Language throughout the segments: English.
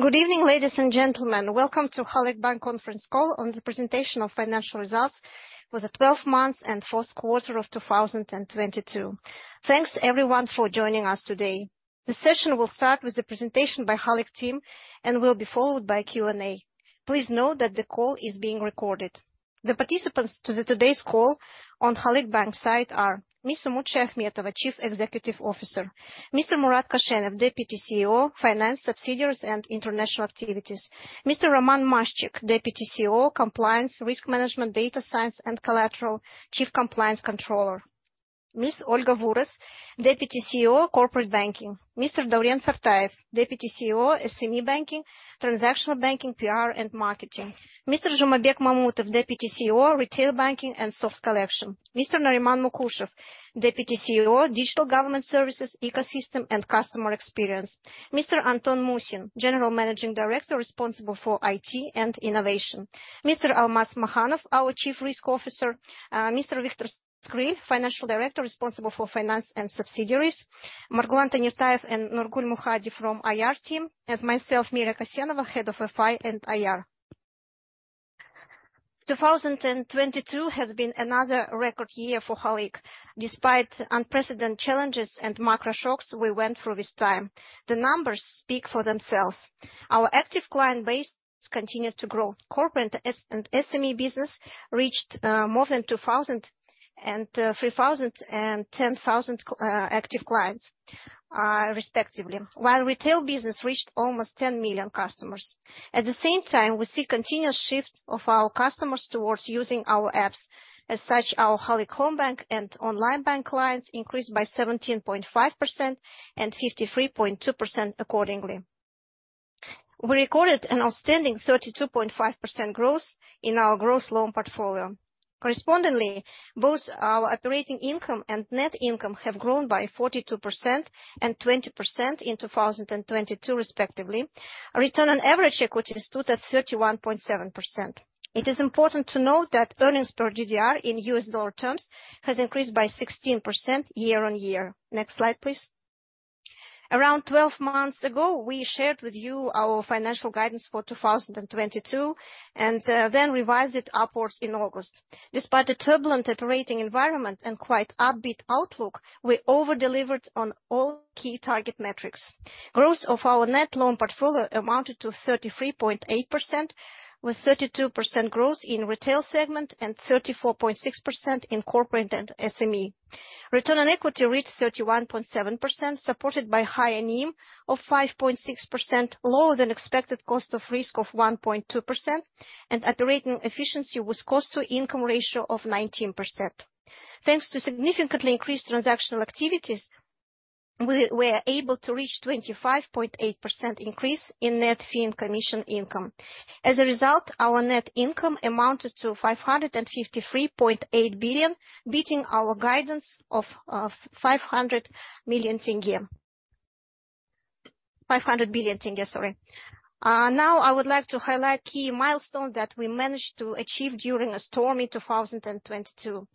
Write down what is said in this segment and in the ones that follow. Good evening, ladies and gentlemen. Welcome to Halyk Bank Conference Call on the Presentation of Financial Results for the 12 Months and First Quarter of 2022. Thanks everyone for joining us today. The session will start with the presentation by Halyk team and will be followed by Q&A. Please note that the call is being recorded. The participants to today's call on Halyk Bank side are Ms. Umut Shayakhmetova, Chief Executive Officer. Mr. Murat Koshenov, Deputy CEO, Finance Subsidiaries and International Activities. Mr. Roman Maszczyk, Deputy CEO, Compliance, Risk Management, Data Science and Collateral, Chief Compliance Controller. Ms. Olga Vuros, Deputy CEO, Corporate Banking. Mr. Dauren Sartayev, Deputy CEO, SME Banking, Transactional Banking, PR and Marketing. Mr. Zhumabek Mamutov, Deputy CEO, Retail Banking and Soft Collection. Mr. Nariman Mukushev, Deputy CEO, Digital Government Services, Ecosystem and Customer Experience. Mr. Anton Musin, General Managing Director, responsible for IT and innovation. Mr. Almas Makhanov, our Chief Risk Officer. Mr. Viktor Skryl, Financial Director, responsible for finance and subsidiaries. Margulan Tanirtayev and Nurgul Mukhadi from IR team, and myself, Mira Kasenova, Head of FI and IR. 2022 has been another record year for Halyk Bank. Despite unprecedented challenges and macro shocks we went through this time, the numbers speak for themselves. Our active client base continued to grow. Corporate and SME business reached more than 2,000 and 3,000 and 10,000 active clients respectively, while retail business reached almost 10 million customers. At the same time, we see continuous shift of our customers towards using our apps. As such, our Halyk Homebank and Onlinebank clients increased by 17.5% and 53.2% accordingly. We recorded an outstanding 32.5% growth in our gross loan portfolio. Correspondingly, both our operating income and net income have grown by 42% and 20% in 2022 respectively. Return on average equities stood at 31.7%. It is important to note that earnings per GDR in USD terms has increased by 16% year-on-year. Next slide, please. Around 12 months ago, we shared with you our financial guidance for 2022, and then revised it upwards in August. Despite a turbulent operating environment and quite upbeat outlook, we over-delivered on all key target metrics. Growth of our net loan portfolio amounted to 33.8%, with 32% growth in retail segment and 34.6% in corporate and SME. Return on equity reached 31.7%, supported by higher NIM of 5.6%, lower than expected cost of risk of 1.2%, and operating efficiency with cost to income ratio of 19%. Thanks to significantly increased transactional activities, we are able to reach 25.8% increase in net fee and commission income. Result, our net income amounted to KZT 553.8 billion, beating our guidance of KZT 500 million tenge. KZT 500 billion tenge, sorry. I would like to highlight key milestones that we managed to achieve during a stormy 2022.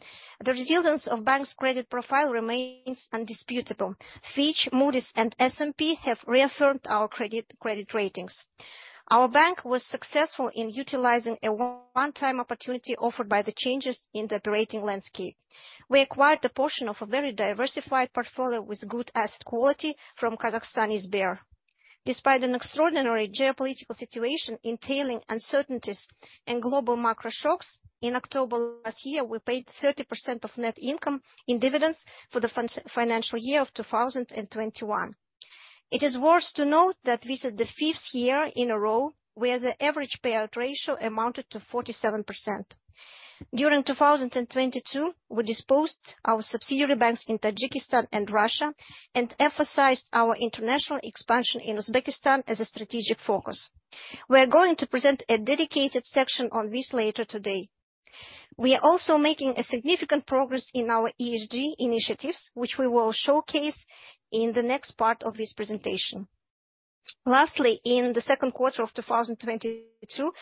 The resilience of bank's credit profile remains undisputable. Fitch, Moody's and S&P have reaffirmed our credit ratings. Our bank was successful in utilizing a one-time opportunity offered by the changes in the operating landscape. We acquired a portion of a very diversified portfolio with good asset quality from Kazakhstan Sber. Despite an extraordinary geopolitical situation entailing uncertainties and global macro shocks, in October last year, we paid 30% of net income in dividends for the financial year of 2021. It is worth to note that this is the fifth year in a row where the average payout ratio amounted to 47%. During 2022, we disposed our subsidiary banks in Tajikistan and Russia and emphasized our international expansion in Uzbekistan as a strategic focus. We are going to present a dedicated section on this later today. We are also making a significant progress in our ESG initiatives, which we will showcase in the next part of this presentation. Lastly, in the second quarter of 2022,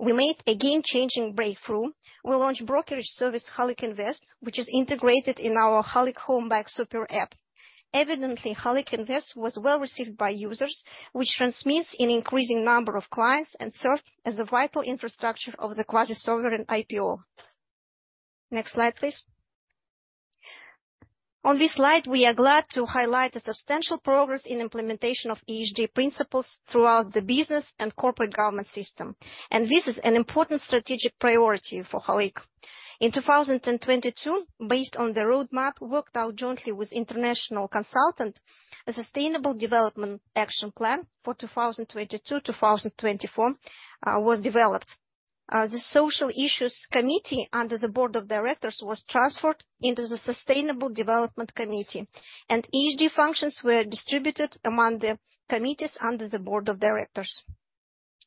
we made a game-changing breakthrough. We launched brokerage service, Halyk Invest, which is integrated in our Halyk Homebank super app. Evidently, Halyk Invest was well received by users, which transmits an increasing number of clients and served as a vital infrastructure of the quasi-sovereign IPO. Next slide, please. On this slide, we are glad to highlight the substantial progress in implementation of ESG principles throughout the business and corporate government system. This is an important strategic priority for Halyk. In 2022, based on the roadmap worked out jointly with international consultant, a sustainable development action plan for 2022-2024 was developed. The social issues committee under the board of directors was transferred into the sustainable development committee. ESG functions were distributed among the committees under the board of directors.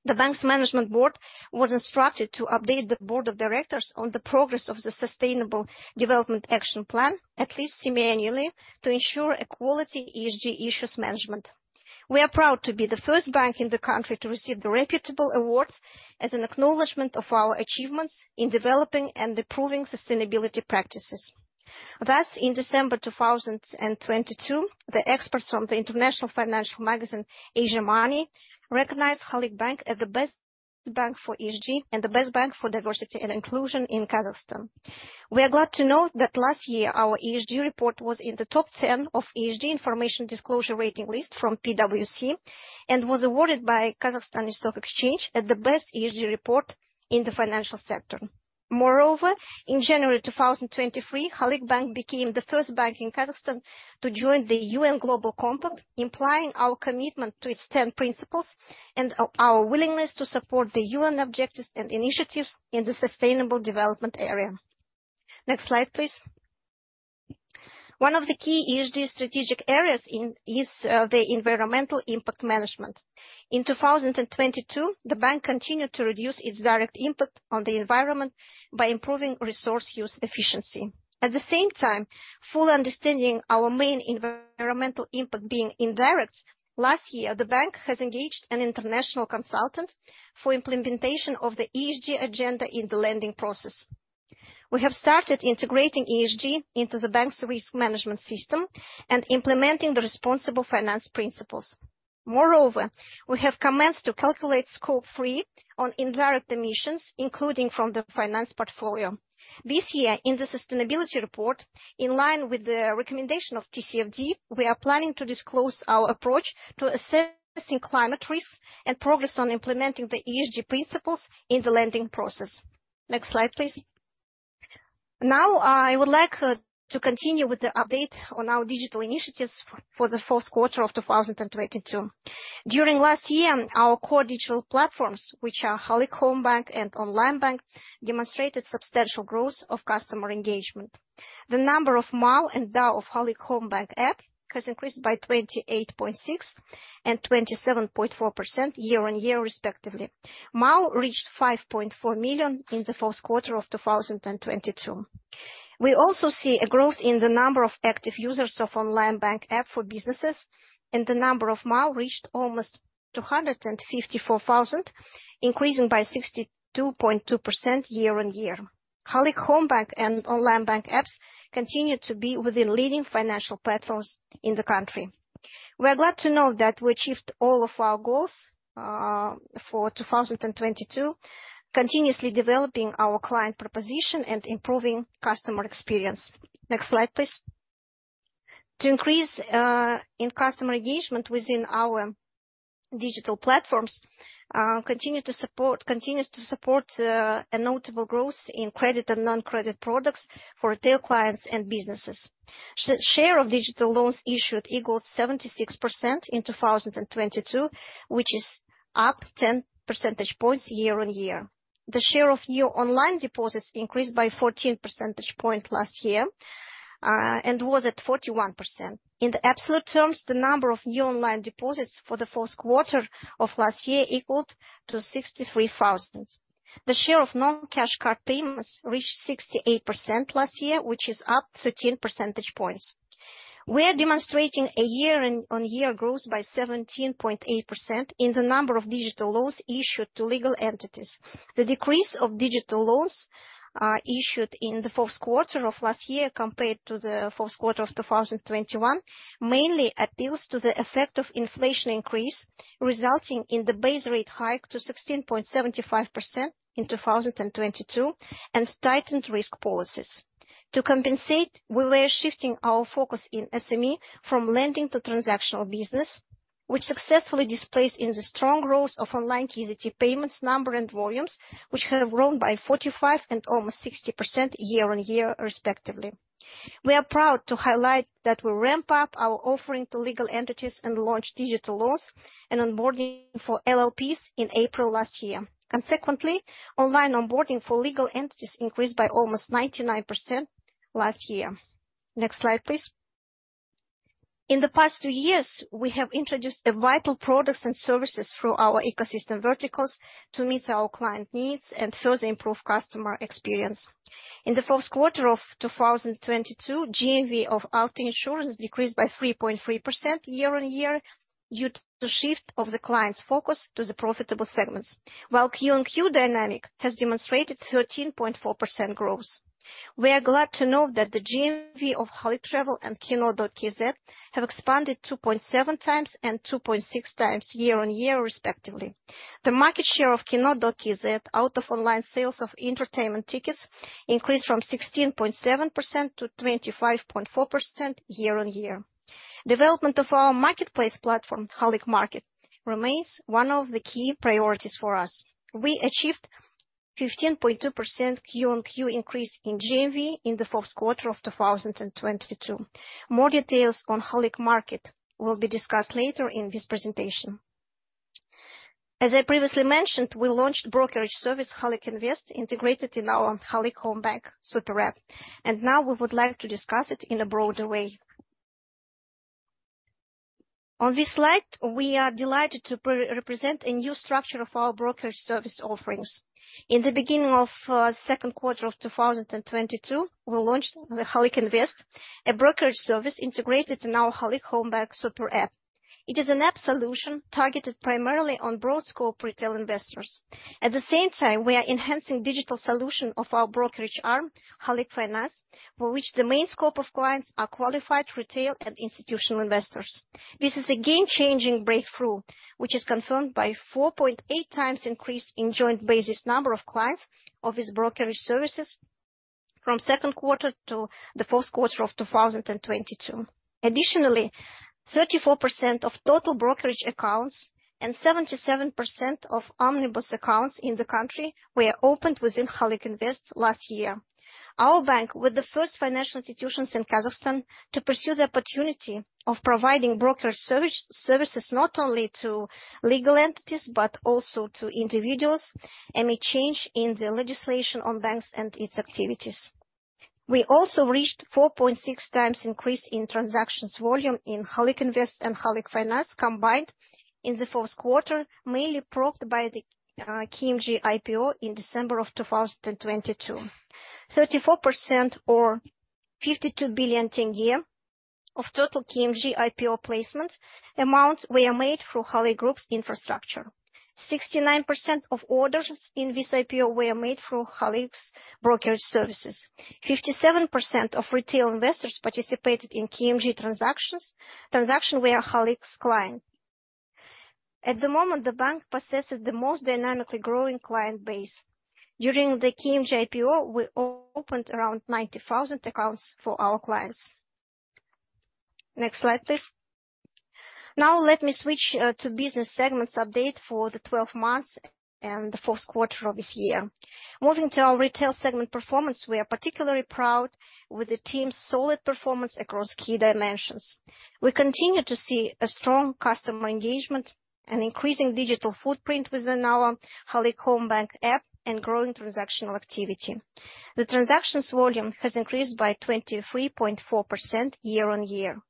The bank's management board was instructed to update the board of directors on the progress of the sustainable development action plan at least semi-annually to ensure a quality ESG issues management. We are proud to be the first bank in the country to receive the reputable awards as an acknowledgement of our achievements in developing and improving sustainability practices. Thus, in December 2022, the experts from the international financial magazine Asiamoney recognized Halyk Bank as the best bank for ESG and the best bank for diversity and inclusion in Kazakhstan. We are glad to note that last year our ESG report was in the top ten of ESG information disclosure rating list from PwC, and was awarded by Kazakhstan Stock Exchange as the best ESG report in the financial sector. Moreover, in January 2023, Halyk Bank became the first bank in Kazakhstan to join the UN Global Compact, implying our commitment to its 10 principles and our willingness to support the UN objectives and initiatives in the sustainable development area. Next slide, please. One of the key ESG strategic areas is the environmental impact management. In 2022, the bank continued to reduce its direct impact on the environment by improving resource use efficiency. At the same time, fully understanding our main environmental impact being indirect, last year the bank has engaged an international consultant for implementation of the ESG agenda in the lending process. We have started integrating ESG into the bank's risk management system and implementing the responsible finance principles. Moreover, we have commenced to calculate Scope 3 on indirect emissions, including from the finance portfolio. This year, in the sustainability report, in line with the recommendation of TCFD, we are planning to disclose our approach to assessing climate risk and progress on implementing the ESG principles in the lending process. Next slide, please. Now, I would like to continue with the update on our digital initiatives for the fourth quarter of 2022. During last year, our core digital platforms, which are Halyk Homebank and Onlinebank, demonstrated substantial growth of customer engagement. The number of MAU and DAU of Halyk Homebank app has increased by 28.6% and 27.4% year-on-year, respectively. MAU reached 5.4 million in the fourth quarter of 2022. We also see a growth in the number of active users of Onlinebank app for businesses. The number of MAU reached almost 254,000, increasing by 62.2% year-on-year. Halyk Homebank and Onlinebank apps continue to be within leading financial platforms in the country. We are glad to know that we achieved all of our goals for 2022, continuously developing our client proposition and improving customer experience. Next slide, please. To increase in customer engagement within our digital platforms continues to support a notable growth in credit and non-credit products for retail clients and businesses. Share of digital loans issued equaled 76% in 2022, which is up 10 percentage points year-on-year. The share of new online deposits increased by 14 percentage points last year and was at 41%. In the absolute terms, the number of new online deposits for the 4th quarter of last year equaled to 63,000. The share of non-cash card payments reached 68% last year, which is up 13 percentage points. We are demonstrating a year-on-year growth by 17.8% in the number of digital loans issued to legal entities. The decrease of digital loans issued in the 4th quarter of last year compared to the 4th quarter of 2021 mainly appeals to the effect of inflation increase, resulting in the base rate hike to 16.75% in 2022 and tightened risk policies. To compensate, we were shifting our focus in SME from lending to transactional business, which successfully displays in the strong growth of online KZT payments number and volumes, which have grown by 45 and almost 60% year-on-year, respectively. We are proud to highlight that we ramp up our offering to legal entities and launch digital loans and onboarding for LLPs in April last year. Consequently, online onboarding for legal entities increased by almost 99% last year. Next slide, please. In the past two years, we have introduced the vital products and services through our ecosystem verticals to meet our client needs and further improve customer experience. In the fourth quarter of 2022, GMV of auto insurance decreased by 3.3% year-on-year due to shift of the client's focus to the profitable segments. While QOQ dynamic has demonstrated 13.4% growth. We are glad to note that the GMV of Halyk Travel and Kino.kz have expanded 2.7x and 2.6x year-on-year, respectively. The market share of Kino.kz out of online sales of entertainment tickets increased from 16.7% to 25.4% year-on-year. Development of our marketplace platform, Halyk Market, remains one of the key priorities for us. We achieved 15.2% QOQ increase in GMV in the fourth quarter of 2022. More details on Halyk Market will be discussed later in this presentation. As I previously mentioned, we launched brokerage service, Halyk Invest, integrated in our Halyk Homebank super app, and now we would like to discuss it in a broader way. On this slide, we are delighted to represent a new structure of our brokerage service offerings. In the beginning of second quarter of 2022, we launched the Halyk Invest, a brokerage service integrated in our Halyk Homebank super app. It is an app solution targeted primarily on broad scope retail investors. At the same time, we are enhancing digital solution of our brokerage arm, Halyk Finance, for which the main scope of clients are qualified retail and institutional investors. This is a game-changing breakthrough, which is confirmed by 4.8x increase in joint basis number of clients of its brokerage services from second quarter to the fourth quarter of 2022. Additionally, 34% of total brokerage accounts and 77% of omnibus accounts in the country were opened within Halyk Invest last year. Our bank was the first financial institutions in Kazakhstan to pursue the opportunity of providing brokerage services not only to legal entities, but also to individuals, amid change in the legislation on banks and its activities. We also reached 4.6x increase in transactions volume in Halyk Invest and Halyk Finance combined in the fourth quarter, mainly propped by the KMG IPO in December of 2022. 34% or KZT 52 billion of total KMG IPO placement amounts were made through Halyk Group's infrastructure. 69% of orders in this IPO were made through Halyk's brokerage services. 57% of retail investors participated in KMG transactions, transaction were Halyk's client. At the moment, the bank possesses the most dynamically growing client base. During the KMG IPO, we opened around 90,000 accounts for our clients. Next slide, please. Now let me switch to business segments update for the 12 months and the fourth quarter of this year. Moving to our retail segment performance, we are particularly proud with the team's solid performance across key dimensions. We continue to see a strong customer engagement, an increasing digital footprint within our Halyk Homebank app, and growing transactional activity. The transactions volume has increased by 23.4% year-on-year. On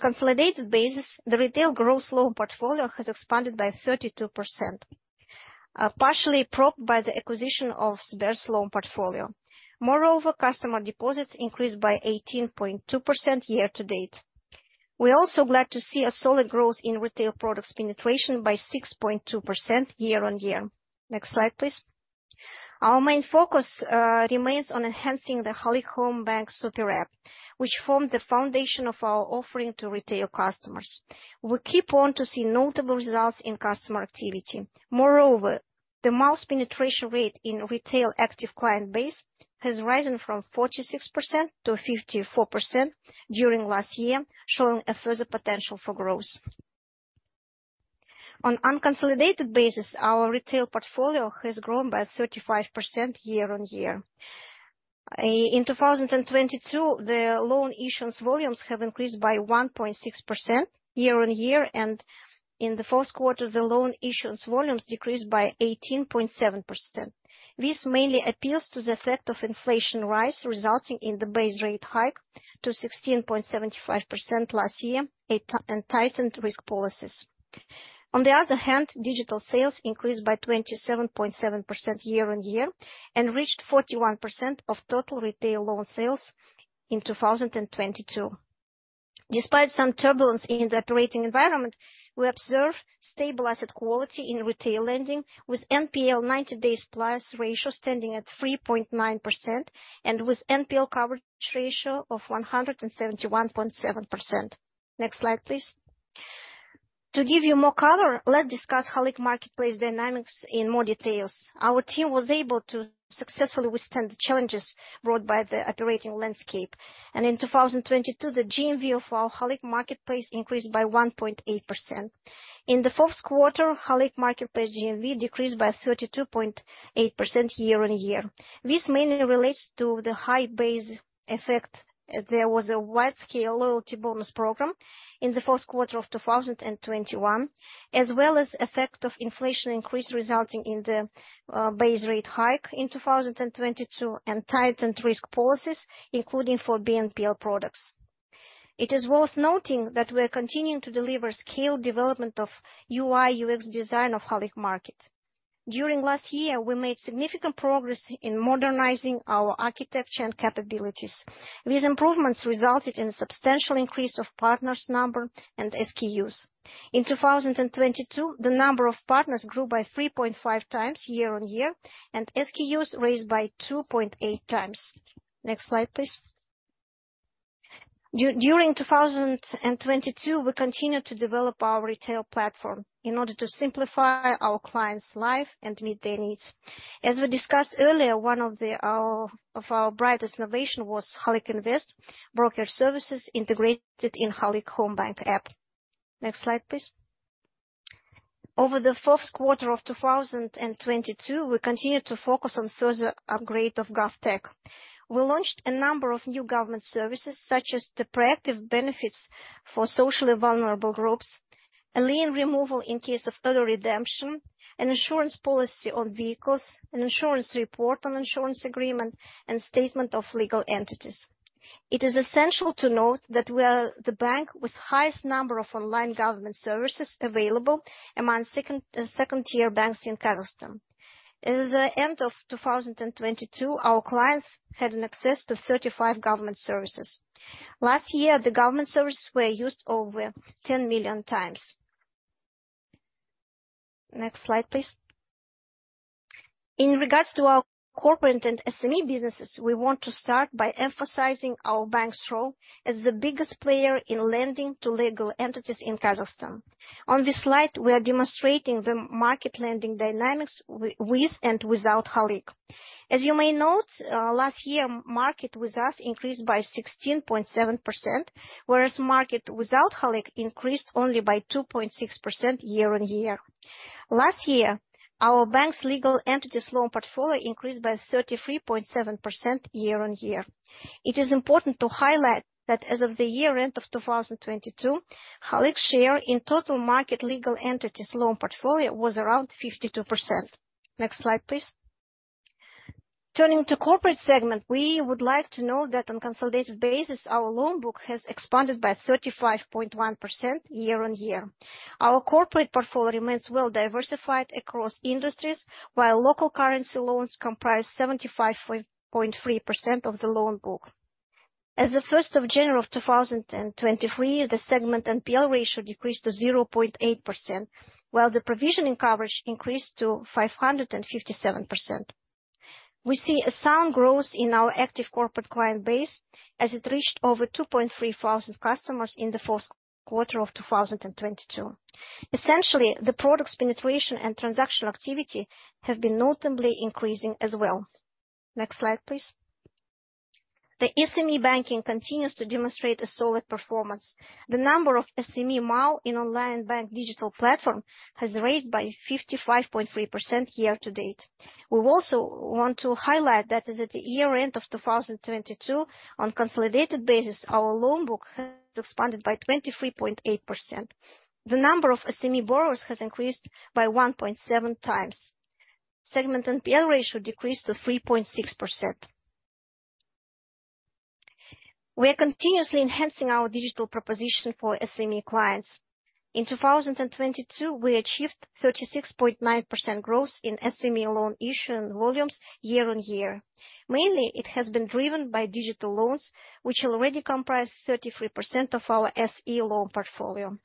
consolidated basis, the retail gross loan portfolio has expanded by 32%, partially propped by the acquisition of Sber's loan portfolio. Customer deposits increased by 18.2% year to date. We are also glad to see a solid growth in retail products penetration by 6.2% year-on-year. Next slide, please. Our main focus remains on enhancing the Halyk Homebank super app, which form the foundation of our offering to retail customers. We keep on to see notable results in customer activity. Moreover, the month's penetration rate in retail active client base has risen from 46% to 54% during last year, showing a further potential for growth. On unconsolidated basis, our retail portfolio has grown by 35% year-on-year. In 2022, the loan issuance volumes have increased by 1.6% year-on-year, and in the fourth quarter, the loan issuance volumes decreased by 18.7%. This mainly applies to the effect of inflation rise, resulting in the base rate hike to 16.75% last year, and tightened risk policies. On the other hand, digital sales increased by 27.7% year-on-year and reached 41% of total retail loan sales in 2022. Despite some turbulence in the operating environment, we observe stable asset quality in retail lending, with NPL 90+ days ratio standing at 3.9% and with NPL coverage ratio of 171.7%. Next slide, please. To give you more color, let's discuss Halyk marketplace dynamics in more details. Our team was able to successfully withstand the challenges brought by the operating landscape. In 2022, the GMV of our Halyk marketplace increased by 1.8%. In the fourth quarter, Halyk marketplace GMV decreased by 32.8% year-on-year. This mainly relates to the high base effect. There was a wide scale loyalty bonus program in the fourth quarter of 2021, as well as effect of inflation increase resulting in the base rate hike in 2022 and tightened risk policies, including for BNPL products. It is worth noting that we are continuing to deliver scaled development of UI/UX design of Halyk Market. During last year, we made significant progress in modernizing our architecture and capabilities. These improvements resulted in a substantial increase of partners number and SKUs. In 2022, the number of partners grew by 3.5x year-on-year, and SKUs raised by 2.8x. Next slide, please. During 2022, we continued to develop our retail platform in order to simplify our clients' life and meet their needs. As we discussed earlier, one of our brightest innovation was Halyk Invest brokerage services integrated in Halyk Homebank app. Next slide, please. Over the fourth quarter of 2022, we continued to focus on further upgrade of GovTech. We launched a number of new government services, such as the proactive benefits for socially vulnerable groups, a lien removal in case of early redemption, an insurance policy on vehicles, an insurance report on insurance agreement, and statement of legal entities. It is essential to note that we are the bank with highest number of online government services available among second-tier banks in Kazakhstan. At the end of 2022, our clients had an access to 35 government services. Last year, the government services were used over 10 million times. Next slide, please. In regards to our corporate and SME businesses, we want to start by emphasizing our bank's role as the biggest player in lending to legal entities in Kazakhstan. On this slide, we are demonstrating the market lending dynamics with and without Halyk. As you may note, last year, market with us increased by 16.7%, whereas market without Halyk increased only by 2.6% year-on-year. Last year, our bank's legal entities loan portfolio increased by 33.7% year-on-year. It is important to highlight that as of the year end of 2022, Halyk's share in total market legal entities loan portfolio was around 52%. Next slide, please. Turning to corporate segment, we would like to note that on consolidated basis, our loan book has expanded by 35.1% year-on-year. Our corporate portfolio remains well diversified across industries, while local currency loans comprise 75.3% of the loan book. As of 1st of January of 2023, the segment NPL ratio decreased to 0.8%, while the provisioning coverage increased to 557%. We see a sound growth in our active corporate client base as it reached over 2.3 thousand customers in the 4th quarter of 2022. Essentially, the product's penetration and transactional activity have been notably increasing as well. Next slide, please. The SME banking continues to demonstrate a solid performance. The number of SME MAU in Onlinebank digital platform has raised by 55.3% year-to-date. We also want to highlight that as at the year end of 2022, on consolidated basis, our loan book has expanded by 23.8%. The number of SME borrowers has increased by 1.7x. Segment NPL ratio decreased to 3.6%. We are continuously enhancing our digital proposition for SME clients. In 2022, we achieved 36.9% growth in SME loan issuing volumes year-over-year. Mainly, it has been driven by digital loans, which already comprise 33% of our SME loan portfolio.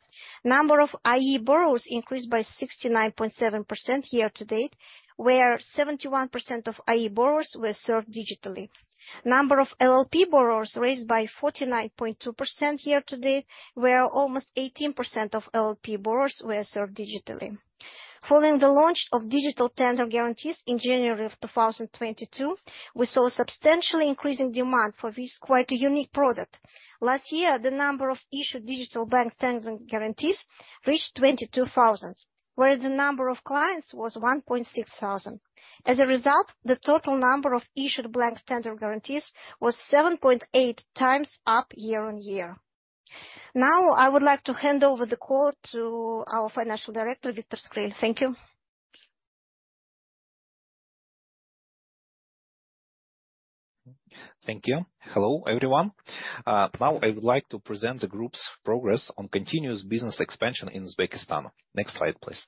Number of IE borrowers increased by 69.7% year-to-date, where 71% of IE borrowers were served digitally. Number of LLP borrowers raised by 49.2% year-to-date, where almost 18% of LLP borrowers were served digitally. Following the launch of digital tender guarantees in January of 2022, we saw substantially increasing demand for this quite a unique product. Last year, the number of issued digital bank tender guarantees reached 22,000, where the number of clients was 1,600. The total number of issued bank tender guarantees was 7.8x up year-on-year. I would like to hand over the call to our financial director, Viktor Skryl. Thank you. Thank you. Hello, everyone. Now I would like to present the group's progress on continuous business expansion in Uzbekistan. Next slide, please.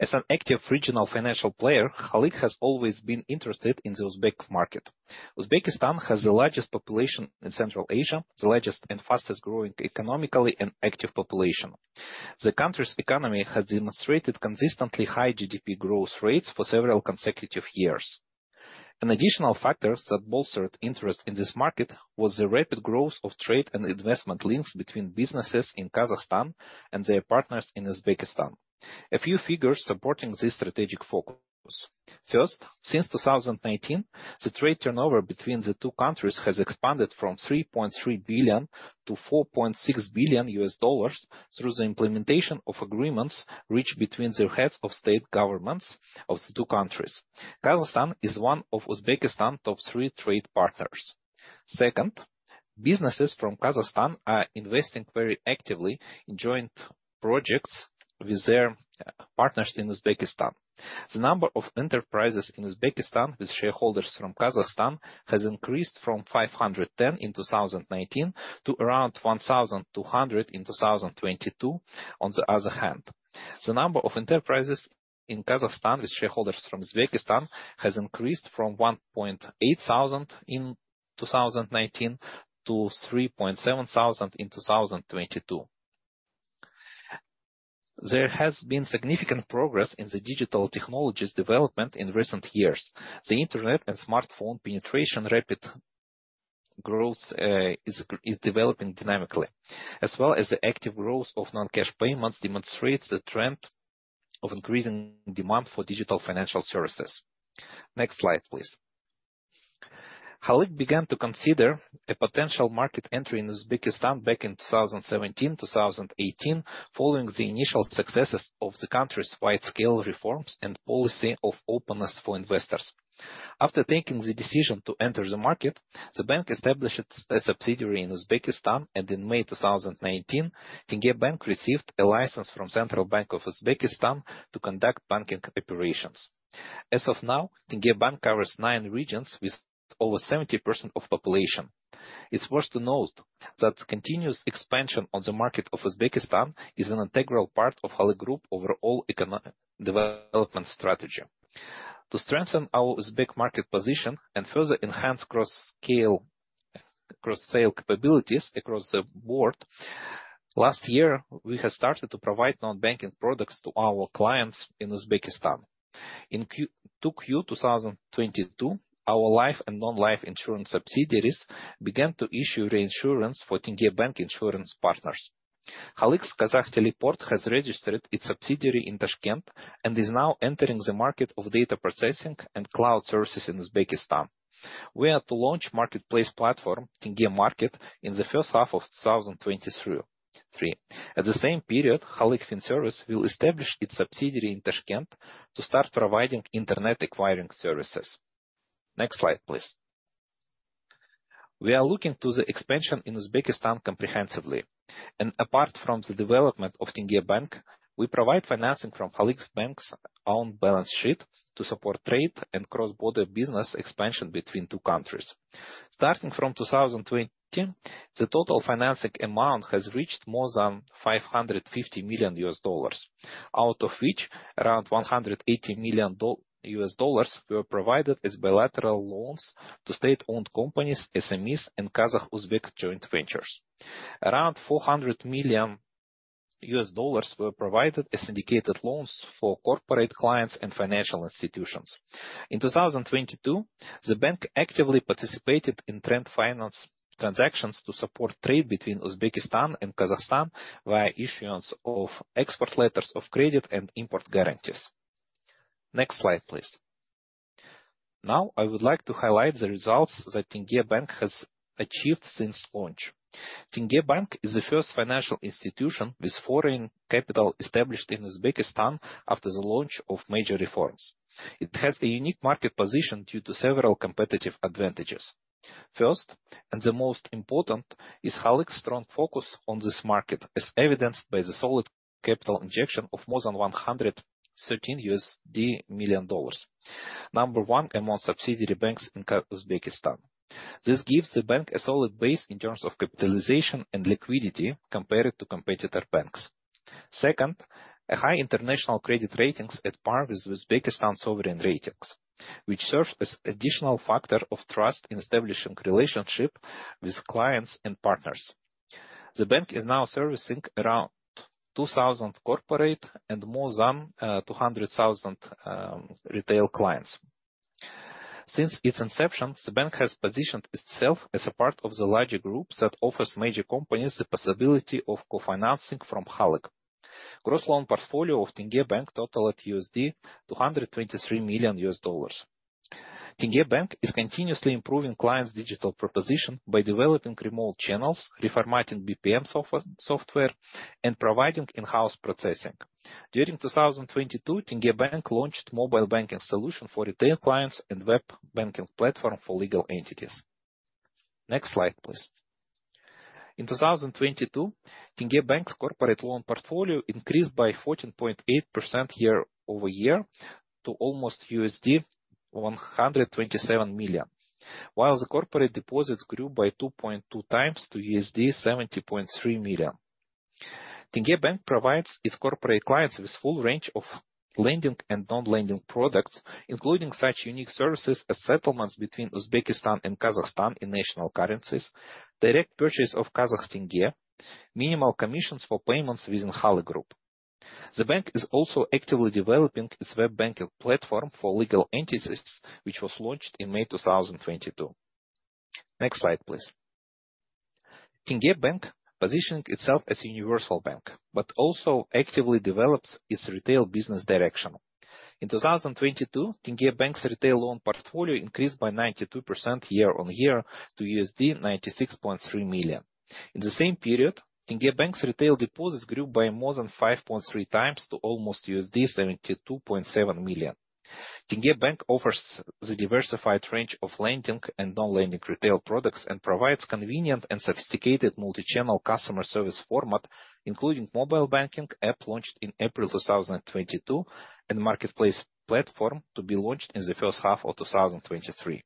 As an active regional financial player, Halyk has always been interested in the Uzbek market. Uzbekistan has the largest population in Central Asia, the largest and fastest growing economically and active population. The country's economy has demonstrated consistently high GDP growth rates for several consecutive years. An additional factor that bolstered interest in this market was the rapid growth of trade and investment links between businesses in Kazakhstan and their partners in Uzbekistan. A few figures supporting this strategic focus. First, since 2019, the trade turnover between the two countries has expanded from $3.3 billion to $4.6 billion through the implementation of agreements reached between the heads of state governments of the two countries. Kazakhstan is one of Uzbekistan's top 3 trade partners. Second, businesses from Kazakhstan are investing very actively in joint projects with their partners in Uzbekistan. The number of enterprises in Uzbekistan with shareholders from Kazakhstan has increased from 510 in 2019 to around 1,200 in 2022. On the other hand, the number of enterprises in Kazakhstan with shareholders from Uzbekistan has increased from 1,800 in 2019 to 3,700 in 2022. There has been significant progress in the digital technologies development in recent years. The internet and smartphone penetration rapid growth is developing dynamically, as well as the active growth of non-cash payments demonstrates the trend of increasing demand for digital financial services. Next slide, please. Halyk began to consider a potential market entry in Uzbekistan back in 2017, 2018, following the initial successes of the country's wide-scale reforms and policy of openness for investors. After taking the decision to enter the market, the bank established a subsidiary in Uzbekistan, and in May 2019, Tenge Bank received a license from Central Bank of the Republic of Uzbekistan to conduct banking operations. As of now, Tenge Bank covers 9 regions with over 70% of population. It's worth to note that continuous expansion on the market of Uzbekistan is an integral part of Halyk Group overall economic development strategy. To strengthen our Uzbek market position and further enhance cross-sale capabilities across the board. Last year, we have started to provide non-banking products to our clients in Uzbekistan. In 2Q 2022 our life and non-life insurance subsidiaries began to issue reinsurance for Tenge Bank insurance partners. Halyk's Kazakhteleport has registered its subsidiary in Tashkent and is now entering the market of data processing and cloud services in Uzbekistan. We are to launch marketplace platform in Tenge market in the first half of 2023. At the same period, Halyk Finservice will establish its subsidiary in Tashkent to start providing internet acquiring services. Next slide, please. We are looking to the expansion in Uzbekistan comprehensively. Apart from the development of Tenge Bank, we provide financing from Halyk Bank's own balance sheet to support trade and cross-border business expansion between two countries. Starting from 2020, the total financing amount has reached more than $550 million. Out of which around $180 million were provided as bilateral loans to state-owned companies, SMEs, and Kazakh-Uzbek joint ventures. Around $400 million were provided as indicated loans for corporate clients and financial institutions. In 2022, the bank actively participated in trade finance transactions to support trade between Uzbekistan and Kazakhstan via issuance of export letters of credit and import guarantees. Next slide, please. I would like to highlight the results that Tenge Bank has achieved since launch. Tenge Bank is the first financial institution with foreign capital established in Uzbekistan after the launch of major reforms. It has a unique market position due to several competitive advantages. First, and the most important, is Halyk's strong focus on this market, as evidenced by the solid capital injection of more than $113 million. Number one amongst subsidiary banks in Uzbekistan. This gives the bank a solid base in terms of capitalization and liquidity compared to competitor banks. Second, a high international credit ratings at par with Uzbekistan's sovereign ratings, which serves as additional factor of trust in establishing relationship with clients and partners. The bank is now servicing around 2,000 corporate and more than 200,000 retail clients. Since its inception, the bank has positioned itself as a part of the larger group that offers major companies the possibility of co-financing from Halyk. Gross loan portfolio of Tenge Bank totaled $223 million. Tenge Bank is continuously improving clients' digital proposition by developing remote channels, reformatting BPM software, and providing in-house processing. During 2022, Tenge Bank launched mobile banking solution for retail clients and web banking platform for legal entities. Next slide, please. In 2022, Tenge Bank's corporate loan portfolio increased by 14.8% year-over-year to almost $127 million, while the corporate deposits grew by 2.2x to $70.3 million. Tenge Bank provides its corporate clients with full range of lending and non-lending products, including such unique services as settlements between Uzbekistan and Kazakhstan in national currencies, direct purchase of Kazakh tenge, minimal commissions for payments within Halyk Group. The bank is also actively developing its web banking platform for legal entities, which was launched in May 2022. Next slide, please. Tenge Bank positioning itself as a universal bank, but also actively develops its retail business direction. In 2022, Tenge Bank's retail loan portfolio increased by 92% year-on-year to $96.3 million. In the same period, Tenge Bank's retail deposits grew by more than 5.3x to almost $72.7 million. Tenge Bank offers the diversified range of lending and non-lending retail products and provides convenient and sophisticated multi-channel customer service format, including mobile banking app launched in April 2022 and marketplace platform to be launched in the first half of 2023.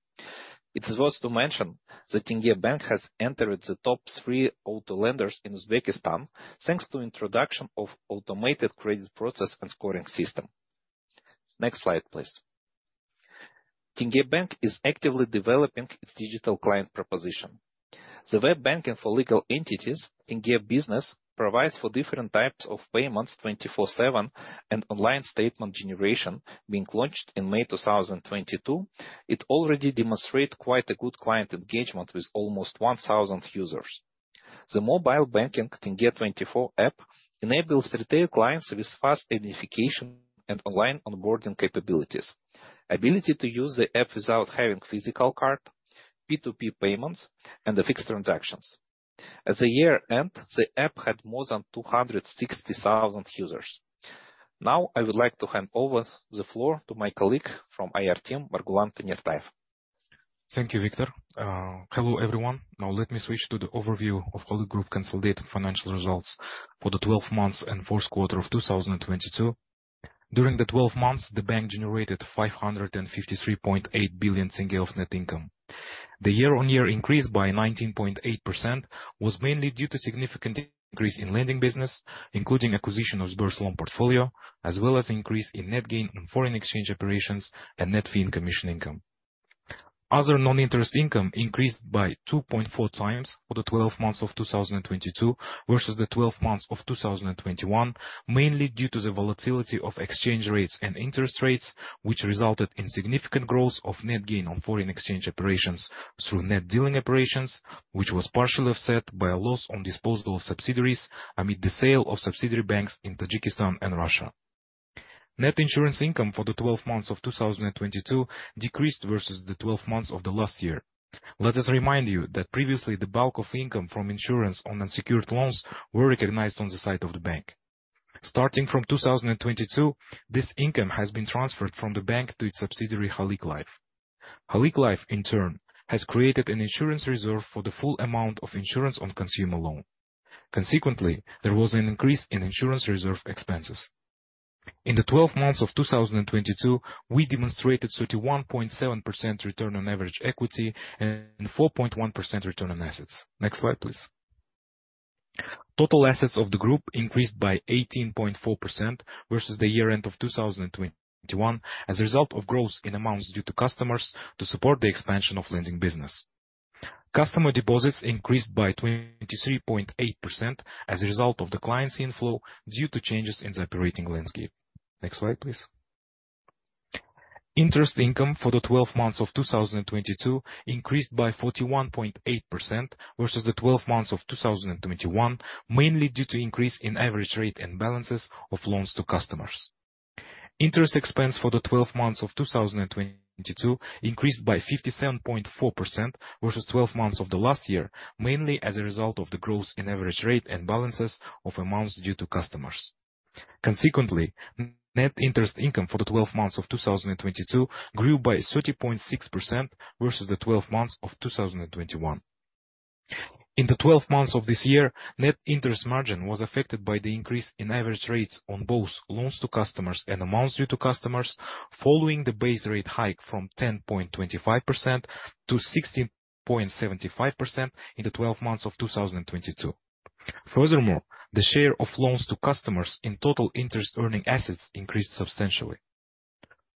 It is worth to mention that Tenge Bank has entered the top three auto lenders in Uzbekistan, thanks to introduction of automated credit process and scoring system. Next slide, please. Tenge Bank is actively developing its digital client proposition. The web banking for legal entities, Tenge Business, provides for different types of payments 24/7 and online statement generation. Being launched in May 2022, it already demonstrate quite a good client engagement with almost 1,000 users. The mobile banking, Tenge24 app, enables retail clients with fast identification and online onboarding capabilities, ability to use the app without having physical card, P2P payments, and the fixed transactions. At the year-end, the app had more than 260,000 users. Now, I would like to hand over the floor to my colleague from IR team, Margulan Tanirtayev. Thank you, Viktor. Hello, everyone. Now let me switch to the overview of Halyk Group consolidated financial results for the 12 months and first quarter of 2022. During the 12 months, the bank generated 553.8 billion KZT of net income. The year-on-year increase by 19.8% was mainly due to significant increase in lending business, including acquisition of Sber's loan portfolio, as well as increase in net gain in foreign exchange operations and net fee and commission income. Other non-interest income increased by 2.4x for the 12 months of 2022 versus the 12 months of 2021. Mainly due to the volatility of exchange rates and interest rates, which resulted in significant growth of net gain on foreign exchange operations through net dealing operations, which was partially offset by a loss on disposal of subsidiaries amid the sale of subsidiary banks in Tajikistan and Russia. Net insurance income for the 12 months of 2022 decreased versus the 12 months of last year. Let us remind you that previously, the bulk of income from insurance on unsecured loans were recognized on the side of the bank. Starting from 2022, this income has been transferred from the bank to its subsidiary, Halyk Life. Halyk Life, in turn, has created an insurance reserve for the full amount of insurance on consumer loan. Consequently, there was an increase in insurance reserve expenses. In the 12 months of 2022, we demonstrated 31.7% return on average equity and 4.1% return on assets. Next slide, please. Total assets of the group increased by 18.4% versus the year-end of 2021, as a result of growth in amounts due to customers to support the expansion of lending business. Customer deposits increased by 23.8% as a result of the client's inflow due to changes in the operating landscape. Next slide, please. Interest income for the 12 months of 2022 increased by 41.8% versus the 12 months of 2021, mainly due to increase in average rate and balances of loans to customers. Interest expense for the 12 months of 2022 increased by 57.4% versus 12 months of the last year, mainly as a result of the growth in average rate and balances of amounts due to customers. Consequently, net interest income for the 12 months of 2022 grew by 30.6% versus the 12 months of 2021. In the 12 months of this year, net interest margin was affected by the increase in average rates on both loans to customers and amounts due to customers, following the base rate hike from 10.25% to 16.75% in the 12 months of 2022. Furthermore, the share of loans to customers in total interest earning assets increased substantially.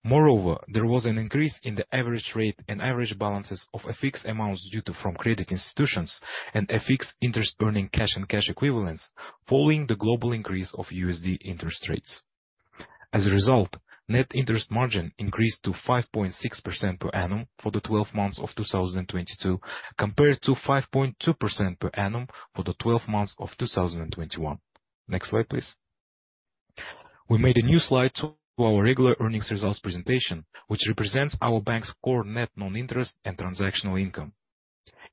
Moreover, there was an increase in the average rate and average balances of a fixed amount due to from credit institutions and a fixed interest earning cash and cash equivalents following the global increase of USD interest rates. As a result, net interest margin increased to 5.6% per annum for the 12 months of 2022, compared to 5.2% per annum for the 12 months of 2021. Next slide, please. We made a new slide to our regular earnings results presentation, which represents our bank's core net non-interest and transactional income.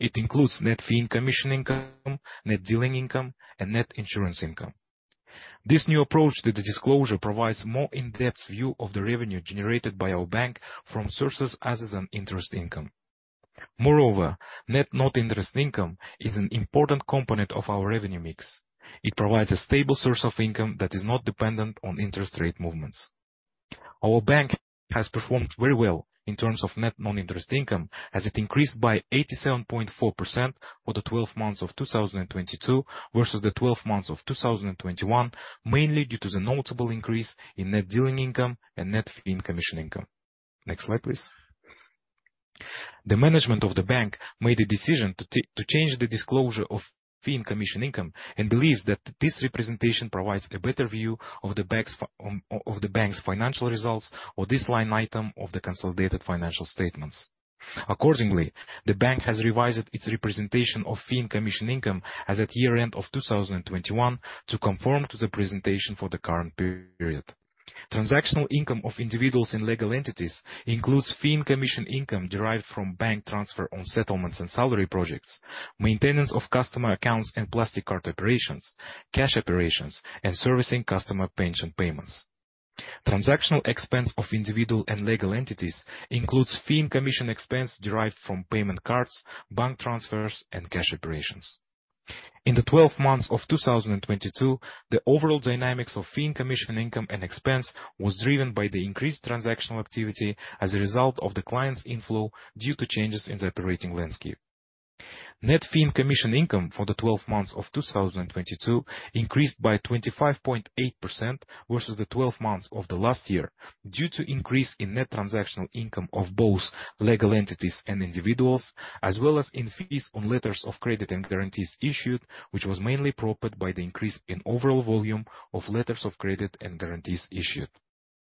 It includes net fee and commission income, net dealing income, and net insurance income. This new approach to the disclosure provides more in-depth view of the revenue generated by our bank from sources as an interest income. Net non-interest income is an important component of our revenue mix. It provides a stable source of income that is not dependent on interest rate movements. Our bank has performed very well in terms of net non-interest income as it increased by 87.4% for the 12 months of 2022 versus the 12 months of 2021, mainly due to the notable increase in net dealing income and net fee and commission income. Next slide, please. The management of the bank made a decision to change the disclosure of fee and commission income and believes that this representation provides a better view of the bank's financial results or this line item of the consolidated financial statements. Accordingly, the bank has revised its representation of fee and commission income as at year-end of 2021 to conform to the presentation for the current period. Transactional income of individuals and legal entities includes fee and commission income derived from bank transfer on settlements and salary projects, maintenance of customer accounts and plastic card operations, cash operations, and servicing customer pension payments. Transactional expense of individual and legal entities includes fee and commission expense derived from payment cards, bank transfers, and cash operations. In the 12 months of 2022, the overall dynamics of fee and commission income and expense was driven by the increased transactional activity as a result of the client's inflow due to changes in the operating landscape. Net fee and commission income for the 12 months of 2022 increased by 25.8% versus the 12 months of the last year due to increase in net transactional income of both legal entities and individuals, as well as in fees on letters of credit and guarantees issued, which was mainly propped by the increase in overall volume of letters of credit and guarantees issued.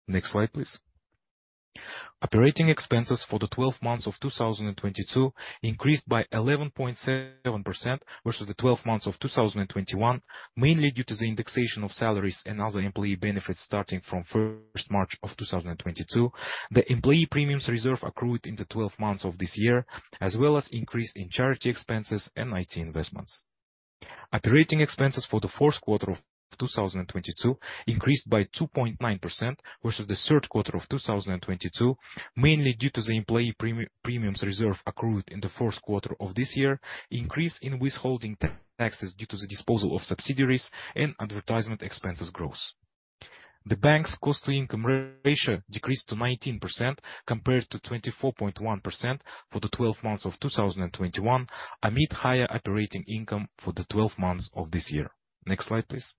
Next slide, please. Operating expenses for the 12 months of 2022 increased by 11.7% versus the 12 months of 2021, mainly due to the indexation of salaries and other employee benefits starting from 1st March of 2022. The employee premiums reserve accrued in the 12 months of this year, as well as increase in charity expenses and IT investments. Operating expenses for the first quarter of 2022 increased by 2.9% versus the third quarter of 2022, mainly due to the employee premiums reserve accrued in the first quarter of this year, increase in withholding taxes due to the disposal of subsidiaries, and advertisement expenses growth. The bank's cost to income ratio decreased to 19% compared to 24.1% for the 12 months of 2021, amid higher operating income for the 12 months of this year. Next slide, please.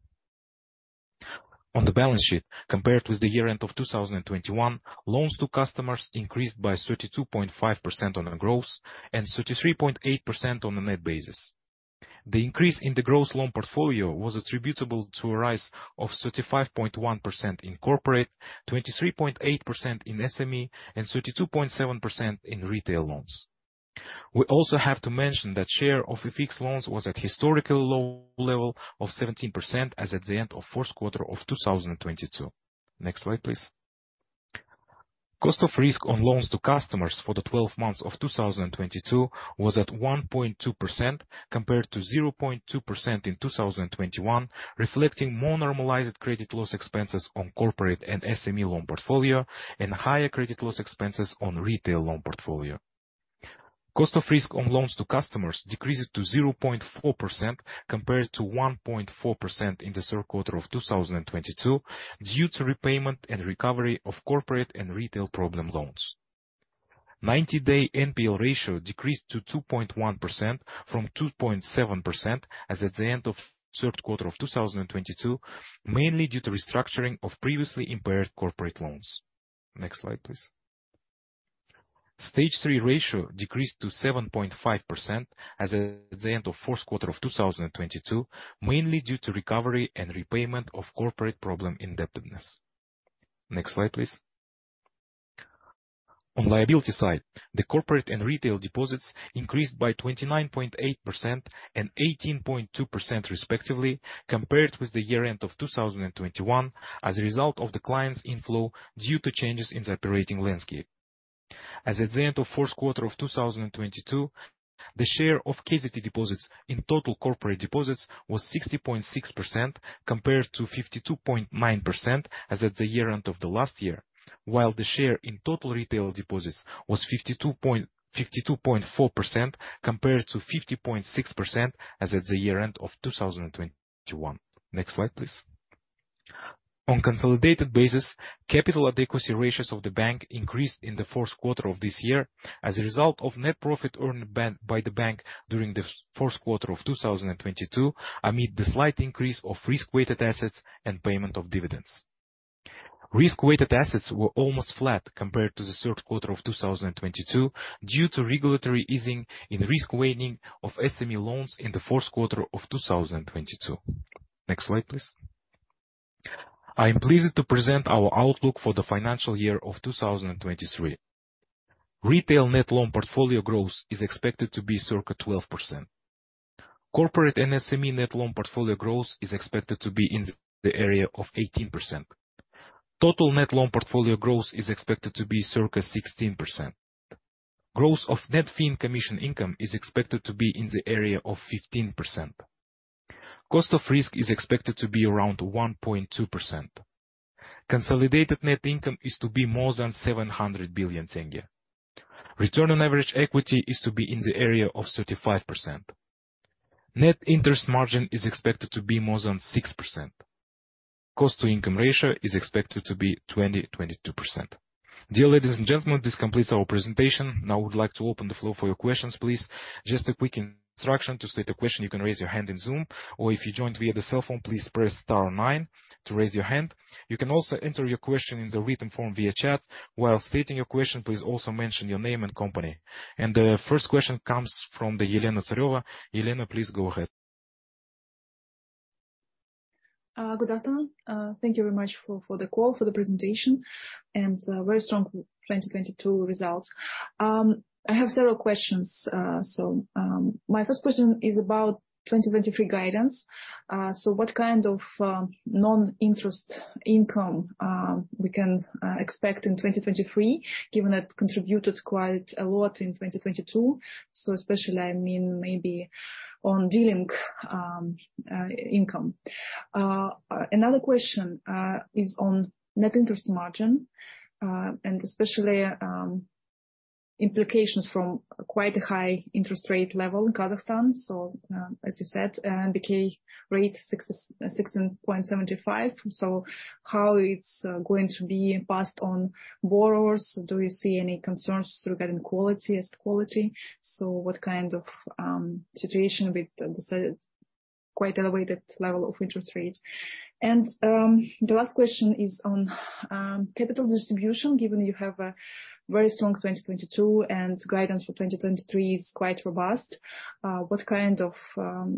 On the balance sheet, compared with the year end of 2021, loans to customers increased by 32.5% on a gross and 33.8% on a net basis. The increase in the gross loan portfolio was attributable to a rise of 35.1% in corporate, 23.8% in SME, and 32.7% in retail loans. We also have to mention that share of fixed loans was at historically low level of 17% as at the end of first quarter of 2022. Next slide, please. Cost of risk on loans to customers for the 12 months of 2022 was at 1.2% compared to 0.2% in 2021, reflecting more normalized credit loss expenses on corporate and SME loan portfolio and higher credit loss expenses on retail loan portfolio. Cost of risk on loans to customers decreased to 0.4% compared to 1.4% in the third quarter of 2022 due to repayment and recovery of corporate and retail problem loans. 90-day NPL ratio decreased to 2.1% from 2.7% as at the end of third quarter of 2022, mainly due to restructuring of previously impaired corporate loans. Next slide, please. Stage 3 ratio decreased to 7.5% as at the end of fourth quarter of 2022, mainly due to recovery and repayment of corporate problem indebtedness. Next slide, please. On liability side, the corporate and retail deposits increased by 29.8% and 18.2% respectively compared with the year end of 2021 as a result of the client's inflow due to changes in the operating landscape. As at the end of Q4 2022, the share of KZT deposits in total corporate deposits was 60.6% compared to 52.9% as at the year end of the last year, while the share in total retail deposits was 52.4% compared to 50.6% as at the year end of 2021. Next slide, please. On consolidated basis, capital adequacy ratios of the bank increased in the fourth quarter of this year as a result of net profit earned by the bank during the fourth quarter of 2022 amid the slight increase of risk-weighted assets and payment of dividends. Risk-weighted assets were almost flat compared to the third quarter of 2022 due to regulatory easing in risk weighting of SME loans in the fourth quarter of 2022. Next slide, please. I am pleased to present our outlook for the financial year of 2023. Retail net loan portfolio growth is expected to be circa 12%. Corporate and SME net loan portfolio growth is expected to be in the area of 18%. Total net loan portfolio growth is expected to be circa 16%. Growth of net fee and commission income is expected to be in the area of 15%. Cost of risk is expected to be around 1.2%. Consolidated net income is to be more than KZT 700 billion. Return on average equity is to be in the area of 35%. Net interest margin is expected to be more than 6%. Cost to income ratio is expected to be 20%-22%. Dear ladies and gentlemen, this completes our presentation. Now we'd like to open the floor for your questions, please. Just a quick instruction. To state a question, you can raise your hand in Zoom, or if you joined via the cell phone, please press star 9 to raise your hand. You can also enter your question in the written form via chat. While stating your question, please also mention your name and company. The first question comes from the Elena Tsareva. Elena, please go ahead. Good afternoon. Thank you very much for the call, for the presentation, and very strong 2022 results. I have several questions. My first question is about 2023 guidance. What kind of non-interest income we can expect in 2023, given it contributed quite a lot in 2022? Especially, I mean, maybe on dealing income. Another question is on net interest margin, and especially implications from quite a high interest rate level in Kazakhstan. As you said, the key rate is 16.75%. How it's going to be passed on borrowers? Do you see any concerns regarding quality, risk quality? What kind of situation with the, say, quite elevated level of interest rates? The last question is on capital distribution. Given you have a very strong 2022 and guidance for 2023 is quite robust, what kind of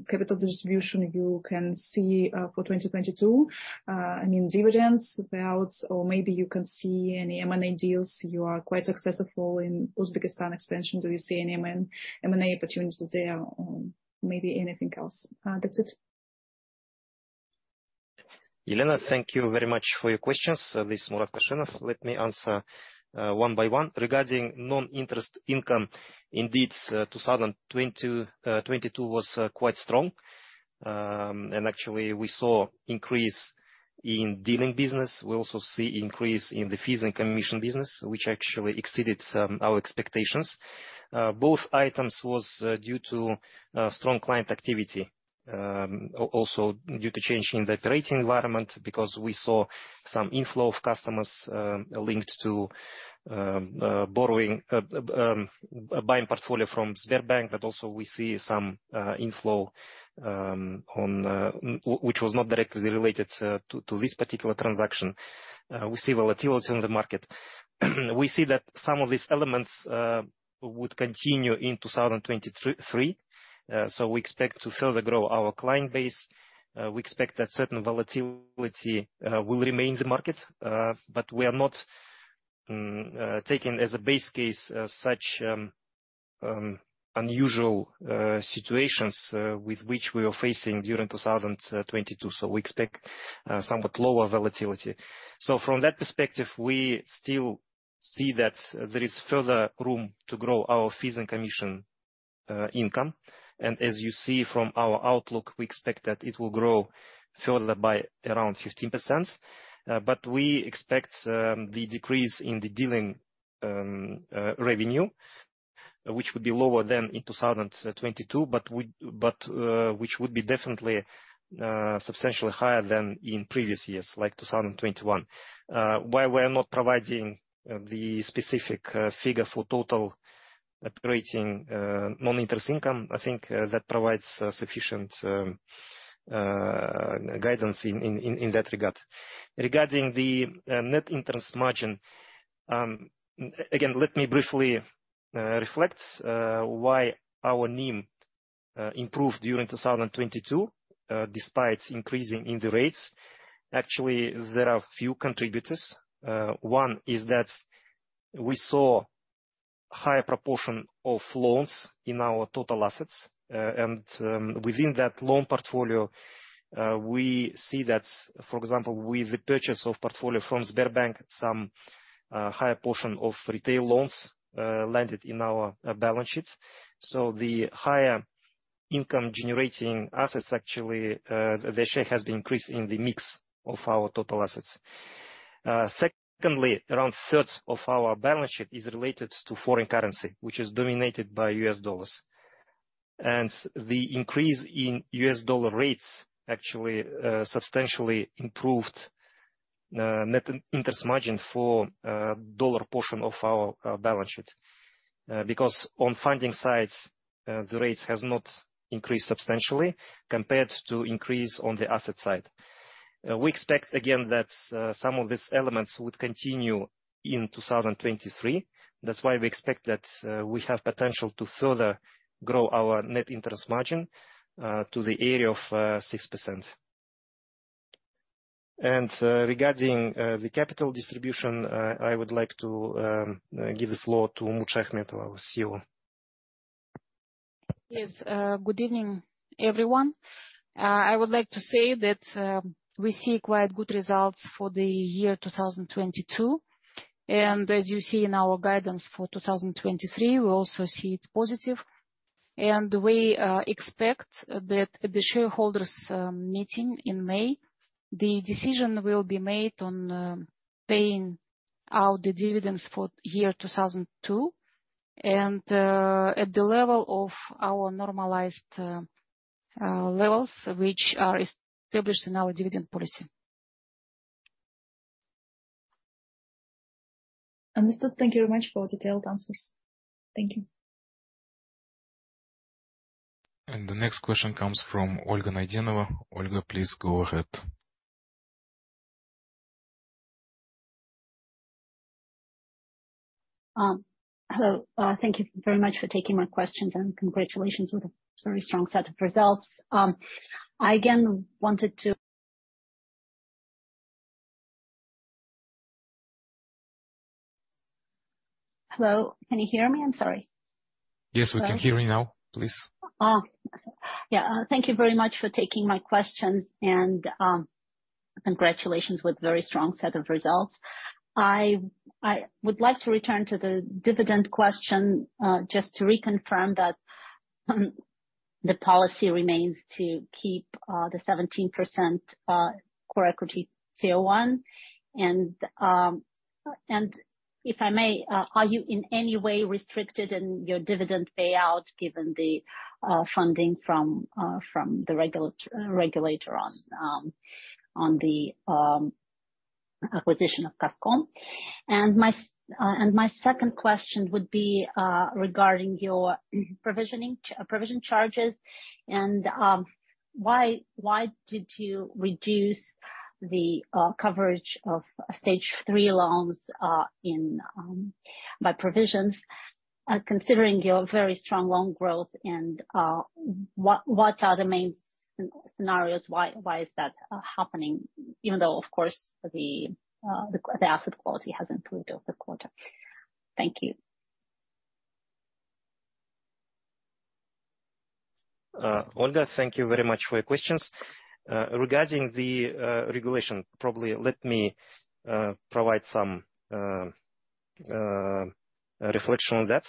capital distribution you can see for 2022? I mean dividends, payouts, or maybe you can see any M&A deals. You are quite successful in Uzbekistan expansion. Do you see any M&A opportunities there or maybe anything else? That's it. Elena, thank you very much for your questions. This is Murat Koshenov. Let me answer one by one. Regarding non-interest income, indeed, 2022 was quite strong. Actually, we saw increase in dealing business. We also see increase in the fees and commission business, which actually exceeded our expectations. Both items was due to strong client activity. Also due to change in the operating environment, because we saw some inflow of customers, linked to borrowing, buying portfolio from Sberbank, but also we see some inflow on which was not directly related to this particular transaction. We see volatility in the market. We see that some of these elements would continue in 2023. So we expect to further grow our client base. We expect that certain volatility will remain in the market, but we are not taking as a base case such unusual situations with which we are facing during 2022. So we expect somewhat lower volatility. So from that perspective, we still see that there is further room to grow our fees and commission income. As you see from our outlook, we expect that it will grow further by around 15%. But we expect the decrease in the dealing revenue, which would be lower than in 2022, but which would be definitely substantially higher than in previous years, like 2021. While we are not providing the specific figure for total operating non-interest income, I think that provides sufficient guidance in that regard. Regarding the net interest margin, again, let me briefly reflect why our NIM improved during 2022 despite increasing in the rates. Actually, there are a few contributors. One is that we saw higher proportion of loans in our total assets. Within that loan portfolio, we see that, for example, with the purchase of portfolio from Sberbank, some higher portion of retail loans landed in our balance sheets. The higher income generating assets, actually, their share has been increased in the mix of our total assets. Secondly, around thirds of our balance sheet is related to foreign currency, which is dominated by US dollars. The increase in US dollar rates actually substantially improved net interest margin for dollar portion of our balance sheet. Because on funding sides, the rates has not increased substantially compared to increase on the asset side. We expect again that some of these elements would continue in 2023. That's why we expect that, we have potential to further grow our net interest margin, to the area of, 6%. Regarding the capital distribution, I would like to give the floor to Umut Shayakhmetova, our CEO. Yes. Good evening, everyone. I would like to say that we see quite good results for the year 2022. As you see in our guidance for 2023, we also see it's positive. We expect that at the shareholders meeting in May, the decision will be made on paying out the dividends for year 2002 and at the level of our normalized levels, which are established in our dividend policy. Understood. Thank you very much for detailed answers. Thank you. The next question comes from Olga Naydenova. Olga, please go ahead. Hello. Thank you very much for taking my questions, and congratulations with a very strong set of results. Hello, can you hear me? I'm sorry. Yes, we can hear you now, please. Oh, yeah. Thank you very much for taking my questions and congratulations with very strong set of results. I would like to return to the dividend question, just to reconfirm that the policy remains to keep the 17% CET1. If I may, are you in any way restricted in your dividend payout given the funding from the regulator on the acquisition of Kazkom? My second question would be regarding your provision charges, why did you reduce the coverage of Stage 3 loans, in by provisions, considering your very strong loan growth? What are the main scenarios? Why is that happening? Even though, of course, the, the asset quality has improved over the quarter. Thank you. Olga, thank you very much for your questions. Regarding the regulation, probably let me provide some reflection on that.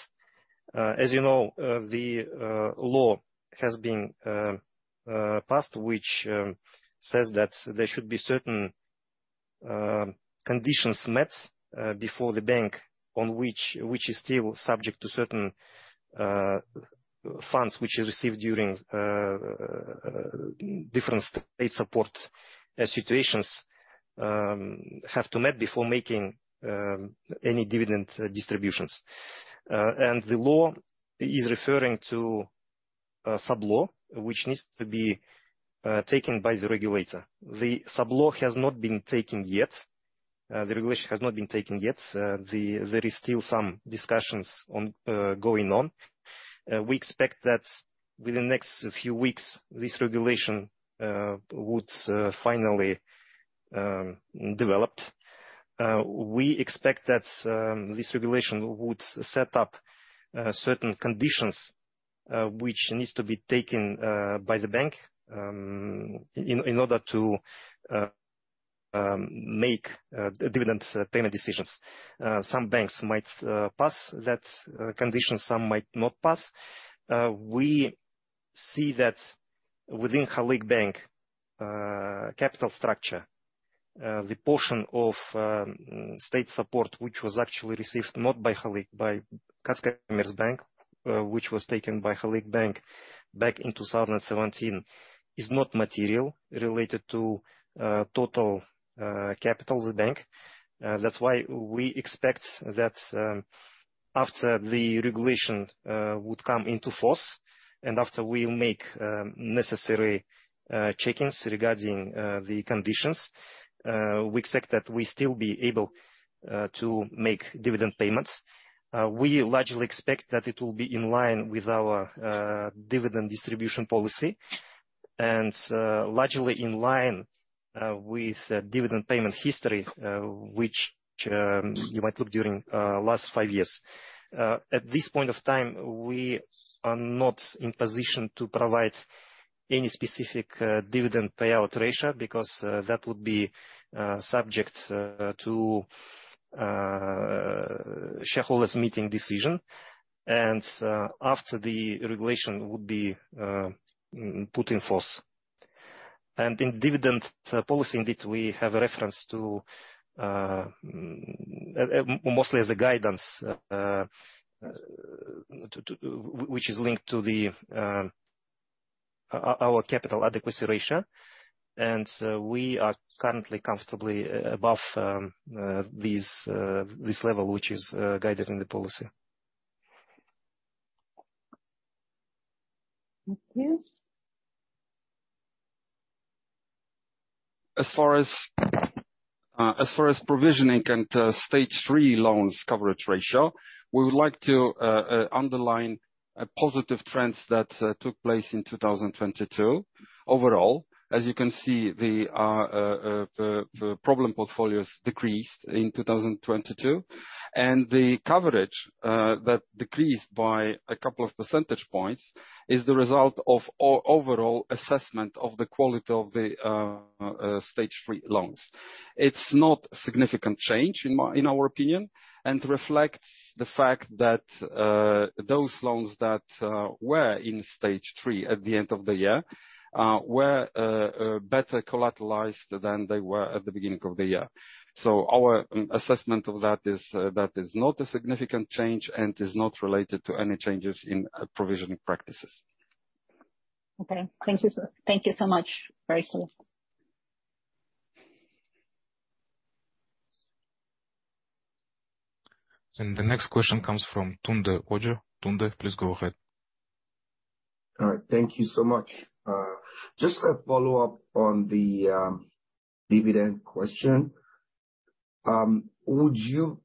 As you know, the law has been passed, which says that there should be certain conditions met before the bank on which is still subject to certain funds which it received during different state support situations, have to met before making any dividend distributions. The law is referring to a sub-law which needs to be taken by the regulator. The sub-law has not been taken yet. The regulation has not been taken yet. there is still some discussions on going on. we expect that within the next few weeks, this regulation would finally developed. we expect that this regulation would set up certain conditions which needs to be taken by the bank in order to make dividend payment decisions. some banks might pass that condition, some might not pass. We see that within Halyk Bank, capital structure, the portion of state support which was actually received not by Halyk, by Kazkommertsbank, which was taken by Halyk Bank back in 2017, is not material related to total capital of the bank. That's why we expect that after the regulation would come into force, and after we make necessary check-ins regarding the conditions, we expect that we still be able to make dividend payments. We largely expect that it will be in line with our dividend distribution policy and largely in line with dividend payment history, which you might look during last five years. At this point of time, we are not in position to provide any specific dividend payout ratio because that would be subject to shareholders meeting decision, and after the regulation would be put in force. In dividend policy indeed, we have a reference to mostly as a guidance to which is linked to our capital adequacy ratio. We are currently comfortably above this level, which is guided in the policy. Thank you. As far as provisioning and Stage 3 loans coverage ratio, we would like to underline a positive trends that took place in 2022. Overall, as you can see, the problem portfolios decreased in 2022. The coverage that decreased by 2 percentage points is the result of overall assessment of the quality of the Stage 3 loans. It's not significant change in our opinion, and reflects the fact that those loans that were in Stage 3 at the end of the year were better collateralized than they were at the beginning of the year. Our assessment of that is that is not a significant change and is not related to any changes in provisioning practices. Okay. Thank you, sir. Thank you so much. Very soon. The next question comes from Babatunde Ojo. Tunde, please go ahead. All right. Thank you so much. Just a follow-up on the dividend question. Would you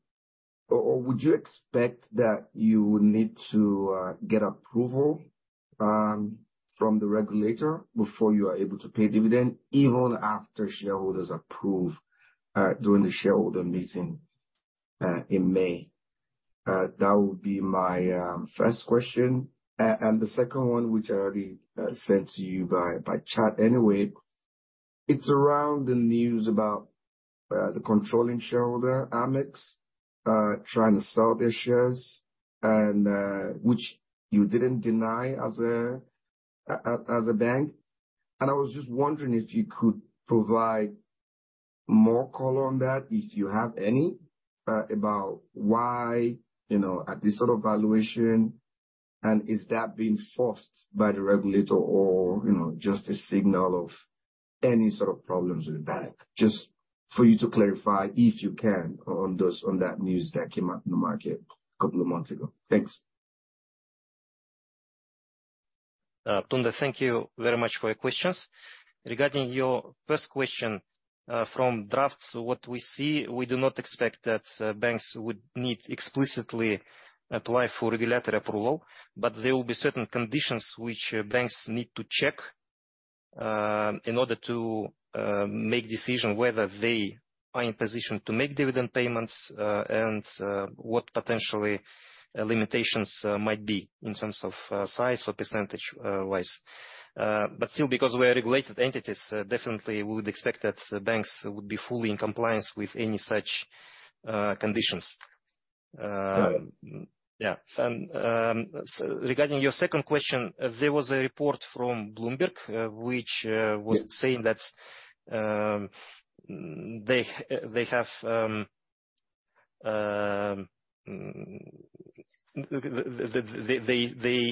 or would you expect that you would need to get approval from the regulator before you are able to pay dividend even after shareholders approve during the shareholder meeting in May? That would be my first question. The second one, which I already sent to you by chat anyway, it's around the news about the controlling shareholder, ALMEX, trying to sell their shares and which you didn't deny as a bank. I was just wondering if you could provide more color on that, if you have any, about why, you know, at this sort of valuation, and is that being forced by the regulator or, you know, just a signal of any sort of problems with the bank? Just for you to clarify, if you can, on those, on that news that came out in the market a couple of months ago. Thanks. Tunde, thank you very much for your questions. Regarding your first question, from drafts, what we see, we do not expect that banks would need explicitly apply for regulatory approval, but there will be certain conditions which banks need to check in order to make decision whether they are in position to make dividend payments, and what potentially limitations might be in terms of size or percentage wise. Still, because we are regulated entities, definitely we would expect that banks would be fully in compliance with any such conditions. Yeah. Regarding your second question, there was a report from Bloomberg which was saying that they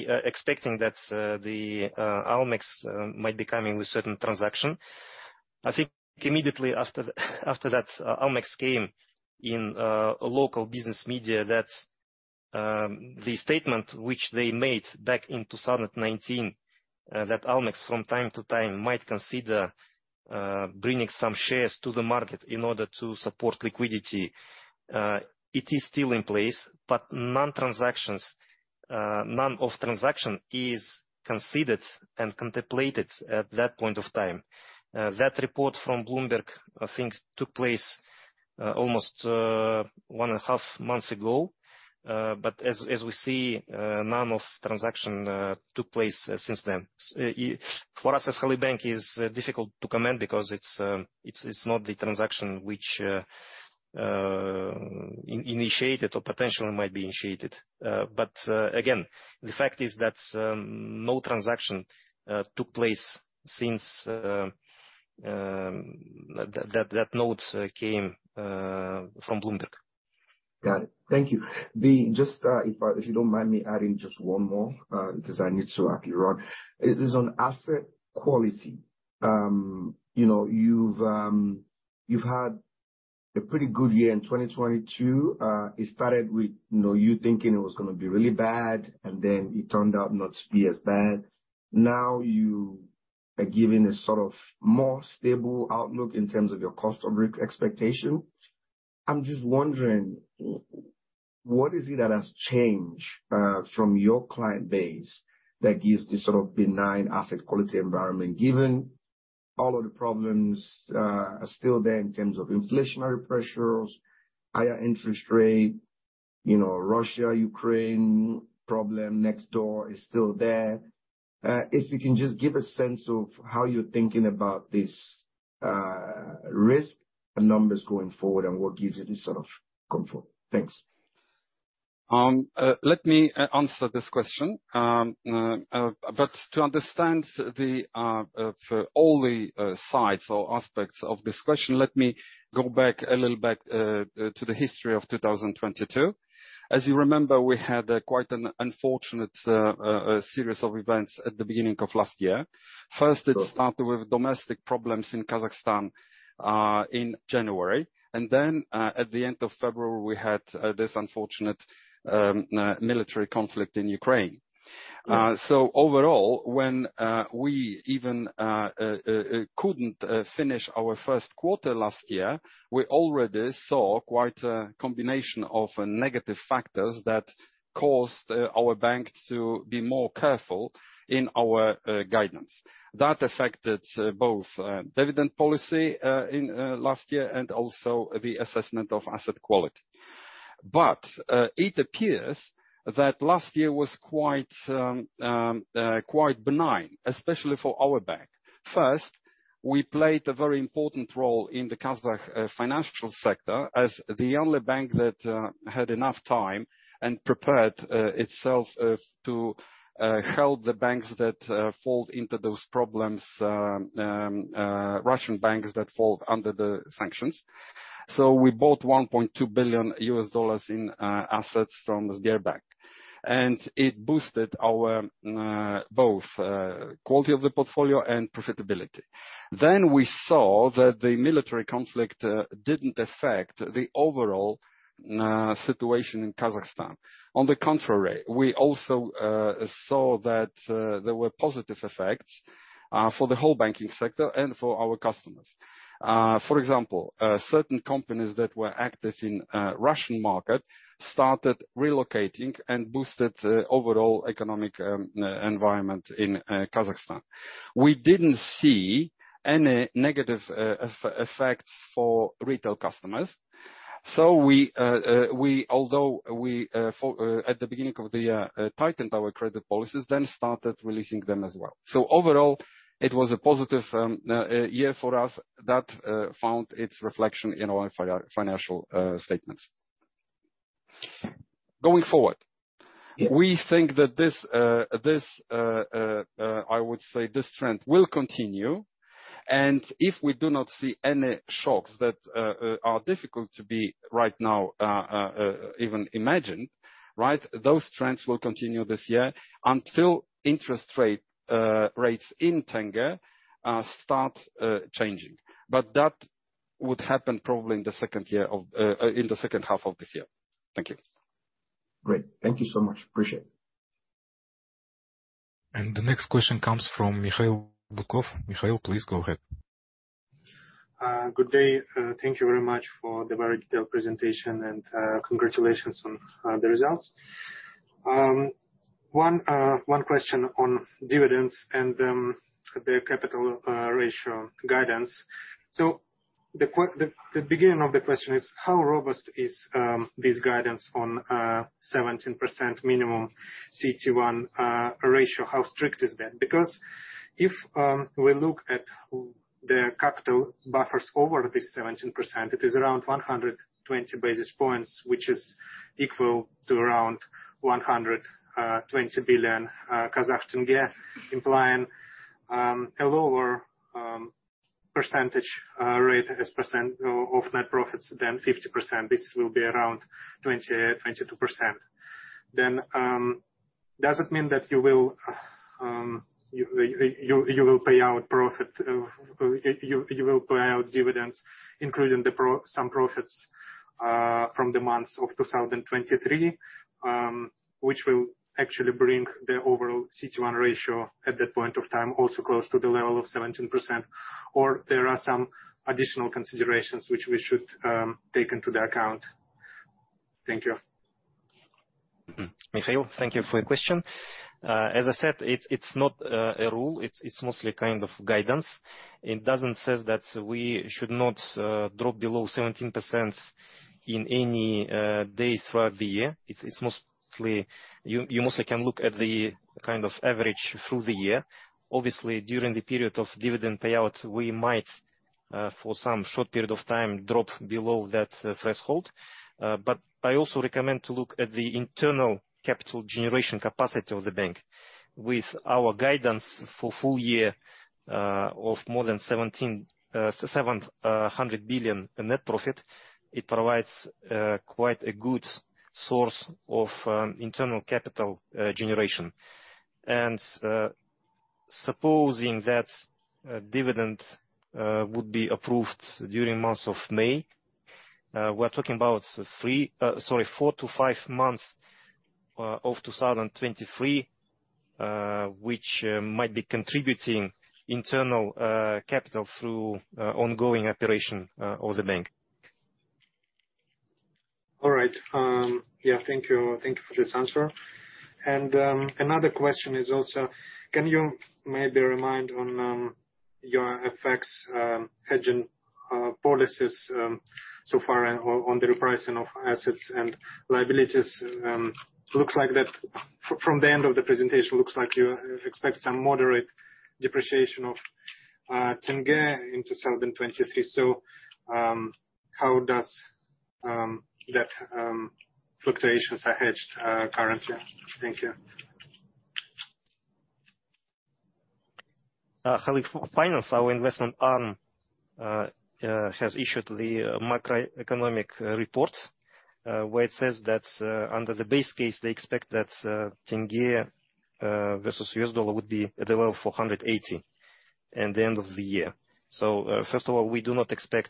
are expecting that the ALMEX might be coming with certain transaction. I think immediately after that ALMEX came in local business media that the statement which they made back in 2019 that ALMEX from time to time might consider bringing some shares to the market in order to support liquidity. It is still in place, but none transactions, none of transaction is considered and contemplated at that point of time. That report from Bloomberg, I think took place almost 1.5 months ago. As we see, none of transaction took place since then. For us as Halyk Bank is difficult to comment because it's not the transaction which initiated or potentially might be initiated. Again, the fact is that no transaction took place since that note came from Bloomberg. Got it. Thank you. Just, if I, if you don't mind me adding just one more, because I need to actually run. It is on asset quality. You know, you've had a pretty good year in 2022. It started with, you know, you thinking it was gonna be really bad, and then it turned out not to be as bad. Now you are giving a sort of more stable outlook in terms of your cost of risk expectation. I'm just wondering what is it that has changed from your client base that gives this sort of benign asset quality environment, given all of the problems are still there in terms of inflationary pressures, higher interest rate, you know, Russia, Ukraine problem next door is still there. If you can just give a sense of how you're thinking about this risk and numbers going forward and what gives you this sort of comfort. Thanks. Let me answer this question. To understand for all the sides or aspects of this question, let me go back a little back to the history of 2022. As you remember, we had quite an unfortunate series of events at the beginning of last year. First, it started with domestic problems in Kazakhstan in January, then at the end of February, we had this unfortunate military conflict in Ukraine. Yeah. Overall, when we even couldn't finish our first quarter last year, we already saw quite a combination of negative factors that caused our bank to be more careful in our guidance. That affected both dividend policy in last year and also the assessment of asset quality. It appears that last year was quite benign, especially for our bank. First, we played a very important role in the Kazakh financial sector as the only bank that had enough time and prepared itself to help the banks that fall into those problems, Russian banks that fall under the sanctions. We bought $1.2 billion in assets from Sberbank, and it boosted our both quality of the portfolio and profitability. We saw that the military conflict didn't affect the overall situation in Kazakhstan. On the contrary, we also saw that there were positive effects for the whole banking sector and for our customers. For example, certain companies that were active in Russian market started relocating and boosted overall economic environment in Kazakhstan. We didn't see any negative effect for retail customers. We, although we at the beginning of the year tightened our credit policies, then started releasing them as well. Overall, it was a positive year for us that found its reflection in our financial statements. Going forward. Yeah. We think that this, I would say this trend will continue, and if we do not see any shocks that are difficult to be right now, even imagined, right? Those trends will continue this year until interest rate rates in tenge start changing. That would happen probably in the second year of in the second half of this year. Thank you. Great. Thank you so much. Appreciate it. The next question comes from Mikhail Butkov. Mikhail, please go ahead. Good day. Thank you very much for the very detailed presentation and congratulations on the results. One question on dividends and the capital ratio guidance. The beginning of the question is how robust is this guidance on 17% minimum CET1 ratio, how strict is that? Because if we look at the capital buffers over this 17%, it is around 120 basis points, which is equal to around KZT 120 billion, implying a lower percentage rate as percent of net profits than 50%. This will be around 20%-22%. Does it mean that you will pay out profit, you will pay out dividends including some profits from the months of 2023, which will actually bring the overall CET1 ratio at that point of time also close to the level of 17%? Or there are some additional considerations which we should take into the account? Thank you. Mikhail, thank you for your question. As I said, it's not a rule. It's mostly kind of guidance. It doesn't says that we should not drop below 17% in any day throughout the year. It's mostly. You mostly can look at the kind of average through the year. Obviously, during the period of dividend payout, we might for some short period of time drop below that threshold. I also recommend to look at the internal capital generation capacity of the bank. With our guidance for full year of more than KZT 700 billion in net profit, it provides quite a good source of internal capital generation. Supposing that dividend would be approved during months of May, we're talking about 3, sorry, 4-5 months of 2023, which might be contributing internal capital through ongoing operation of the bank. All right. Yeah, thank you. Thank you for this answer. Another question is also, can you maybe remind on your FX hedging policies so far on the repricing of assets and liabilities? Looks like from the end of the presentation, looks like you expect some moderate depreciation of tenge in 2023. How does that fluctuations are hedged currently? Thank you. Halyk Finance, our investment arm, has issued the macroeconomic report where it says that under the base case, they expect that tenge versus US dollar would be at a level of 480 at the end of the year. First of all, we do not expect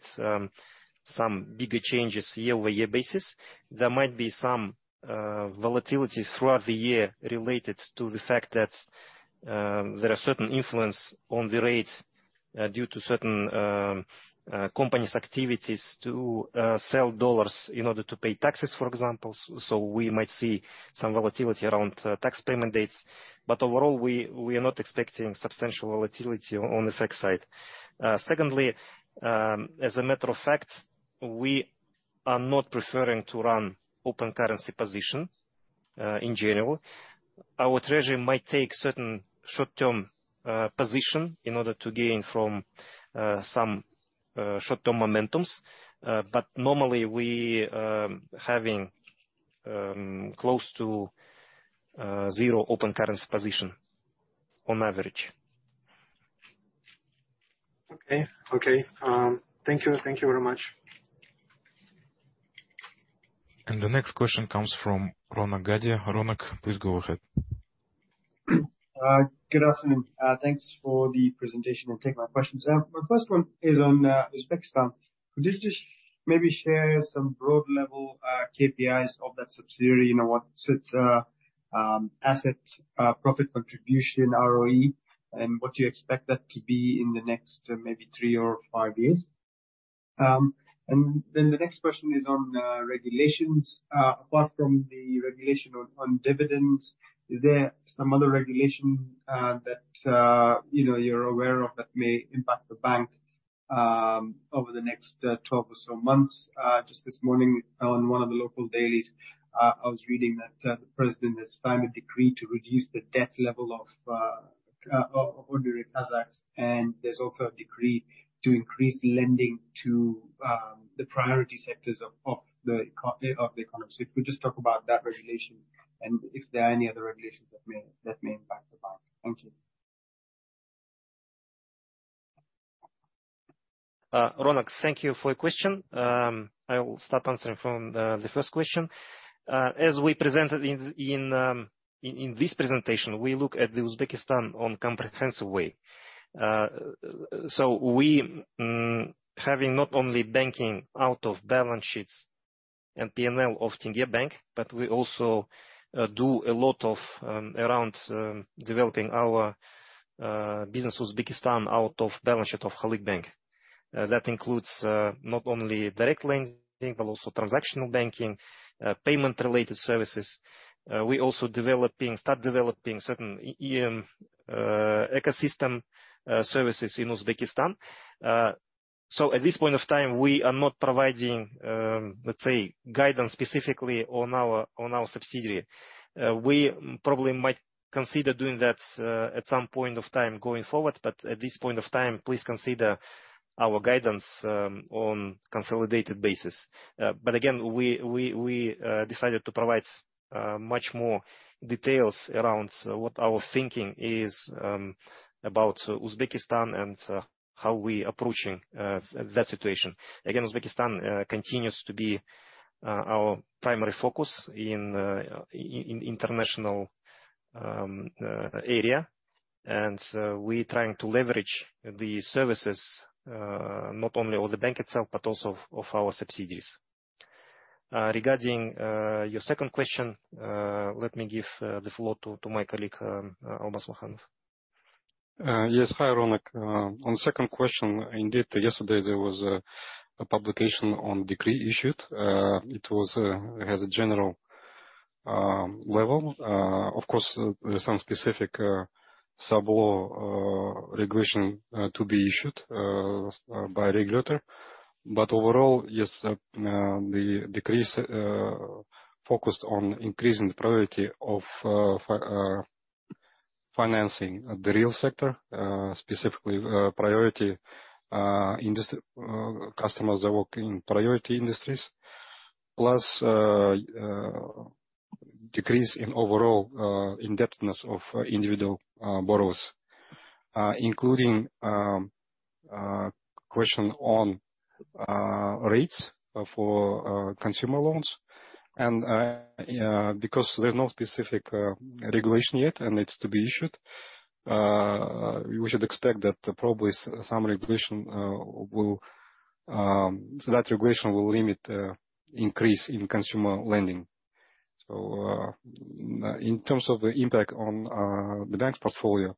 some bigger changes year-over-year basis. There might be some volatility throughout the year related to the fact that there are certain influence on the rates due to certain companies' activities to sell dollars in order to pay taxes, for example. We might see some volatility around tax payment dates. Overall, we are not expecting substantial volatility on the FX side. Secondly, as a matter of fact, we are not preferring to run open currency position in general. Our treasury might take certain short-term position in order to gain from some short-term momentums. Normally we having close to 0 open currency position on average. Okay. Okay. Thank you. Thank you very much. The next question comes from Ronak Gadhia. Ronak, please go ahead. Good afternoon. Thanks for the presentation. I'll take my questions. My first one is on Uzbekistan. Could you just maybe share some broad level KPIs of that subsidiary? You know, what's its asset profit contribution, ROE, and what do you expect that to be in the next maybe three or five years? The next question is on regulations. Apart from the regulation on dividends, is there some other regulation that, you know, you're aware of that may impact the bank over the next 12 or so months? Just this morning on one of the local dailies, I was reading that the president has signed a decree to reduce the debt level of ordinary Kazakhs, and there's also a decree to increase lending to the priority sectors of the economy. If you could just talk about that regulation and if there are any other regulations that may impact the bank. Thank you. Ronak, thank you for your question. I will start answering from the first question. As we presented in this presentation, we look at Uzbekistan on comprehensive way. So we having not only banking out of balance sheets and P&L of Tenge Bank, but we also do a lot of developing our business with Uzbekistan out of balance sheet of Halyk Bank. That includes not only direct lending, but also transactional banking, payment related services. We also start developing certain EM ecosystem services in Uzbekistan. At this point of time, we are not providing, let's say guidance specifically on our, on our subsidiary. We probably might consider doing that, at some point of time going forward, but at this point of time, please consider our guidance on consolidated basis. But again, we decided to provide much more details around what our thinking is about Uzbekistan and how we approaching that situation. Again, Uzbekistan continues to be our primary focus in international area. We're trying to leverage the services not only of the bank itself, but also of our subsidiaries. Regarding your second question, let me give the floor to my colleague, Almas Makhanov. Yes. Hi, Ronak. On the second question, indeed, yesterday there was a publication on decree issued. It was, it has a general level. Of course, there are some specific sub-law regulation to be issued by regulator. Overall, yes, the decrease focused on increasing the priority of financing the real sector, specifically, priority customers that work in priority industries. Plus, decrease in overall indebtedness of individual borrowers, including, question on rates for consumer loans. Because there's no specific regulation yet, and it's to be issued, we should expect that probably some regulation will limit, increase in consumer lending. In terms of the impact on the bank's portfolio,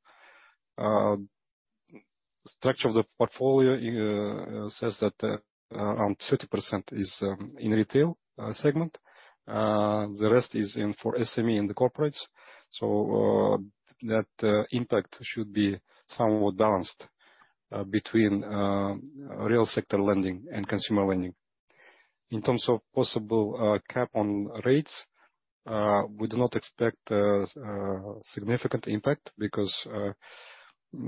structure of the portfolio says that around 30% is in retail segment. The rest is in for SME and the corporates. That impact should be somewhat balanced between real sector lending and consumer lending. In terms of possible cap on rates, we do not expect significant impact because of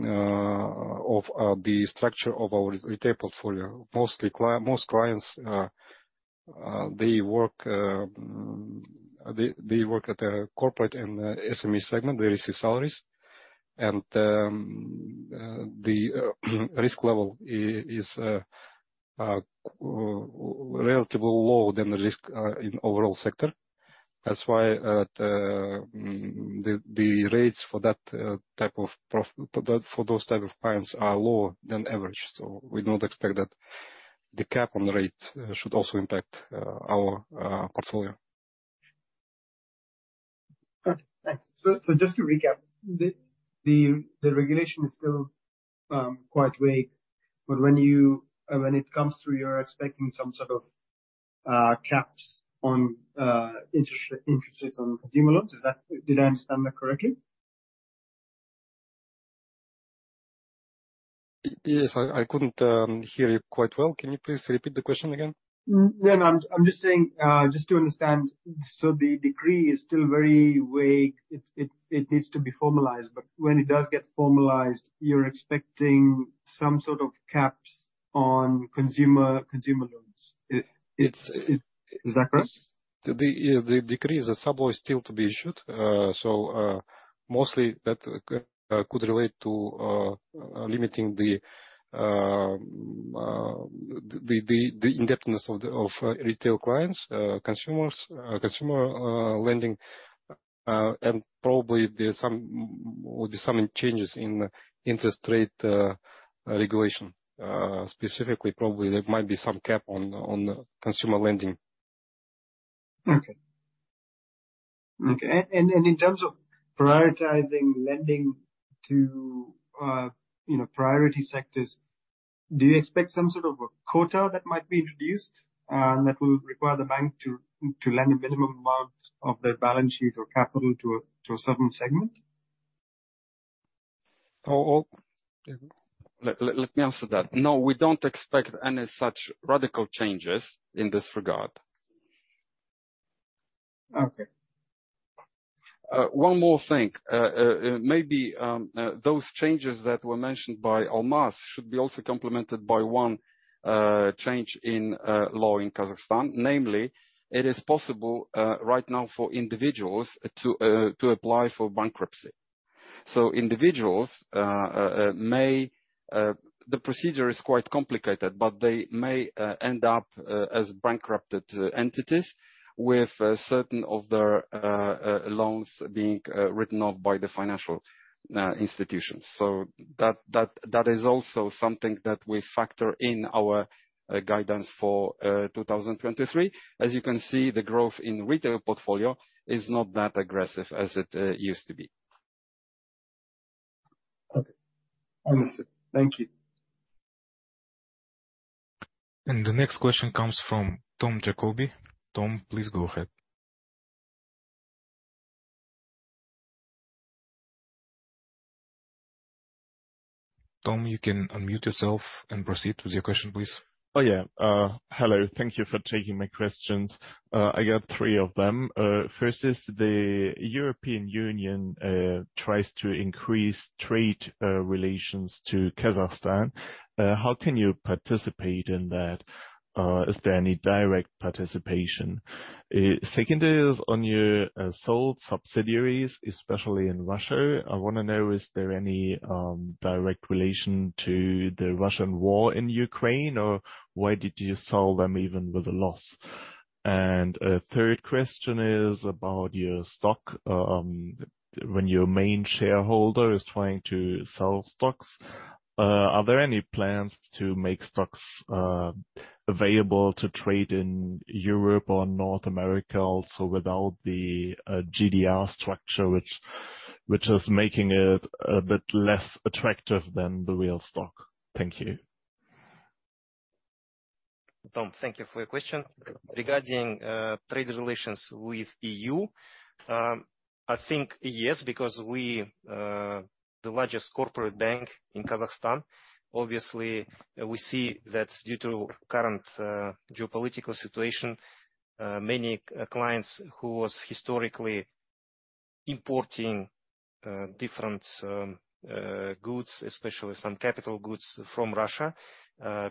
the structure of our retail portfolio. Mostly most clients, they work at a corporate and SME segment, they receive salaries. The risk level is relative low than the risk in overall sector. That's why the rates for that type of clients are lower than average. We don't expect that the cap on rate should also impact our portfolio. Okay, thanks. Just to recap, the regulation is still quite vague, but when it comes through, you're expecting some sort of caps on interests on consumer loans. Did I understand that correctly? Yes. I couldn't hear you quite well. Can you please repeat the question again? No, I'm just saying, just to understand. The decree is still very vague. It needs to be formalized. When it does get formalized, you're expecting some sort of caps on consumer loans. It's, it- Is that correct? The decree is a sub-law still to be issued. Mostly that could relate to limiting the indebtedness of retail clients, consumers, consumer lending. Probably there will be some changes in interest rate regulation. Specifically, probably there might be some cap on consumer lending. Okay. Okay. In terms of prioritizing lending to, you know, priority sectors, do you expect some sort of a quota that might be introduced that will require the bank to lend a minimum amount of their balance sheet or capital to a certain segment? Oh, oh. Let me answer that. No, we don't expect any such radical changes in this regard. Okay. One more thing. Those changes that were mentioned by Almas should be also complemented by one change in law in Kazakhstan. Namely, it is possible right now for individuals to apply for bankruptcy. The procedure is quite complicated, but they may end up as bankrupted entities with certain of their loans being written off by the financial institutions. That is also something that we factor in our guidance for 2023. As you can see, the growth in retail portfolio is not that aggressive as it used to be. Okay. Understood. Thank you. The next question comes from Tom Jacoby. Tom, please go ahead. Tom, you can unmute yourself and proceed with your question, please. Oh, yeah. Hello. Thank you for taking my questions. I got three of them. First is the European Union tries to increase trade relations to Kazakhstan. How can you participate in that? Is there any direct participation? Second is on your sold subsidiaries, especially in Russia. I wanna know, is there any direct relation to the Russian war in Ukraine, or why did you sell them even with a loss? A third question is about your stock. When your main shareholder is trying to sell stocks, are there any plans to make stocks available to trade in Europe or North America also without the GDR structure which is making it a bit less attractive than the real stock? Thank you. Tom, thank you for your question. Regarding trade relations with EU, I think yes, because we the largest corporate bank in Kazakhstan. Obviously, we see that due to current geopolitical situation, many clients who was historically importing different goods, especially some capital goods from Russia,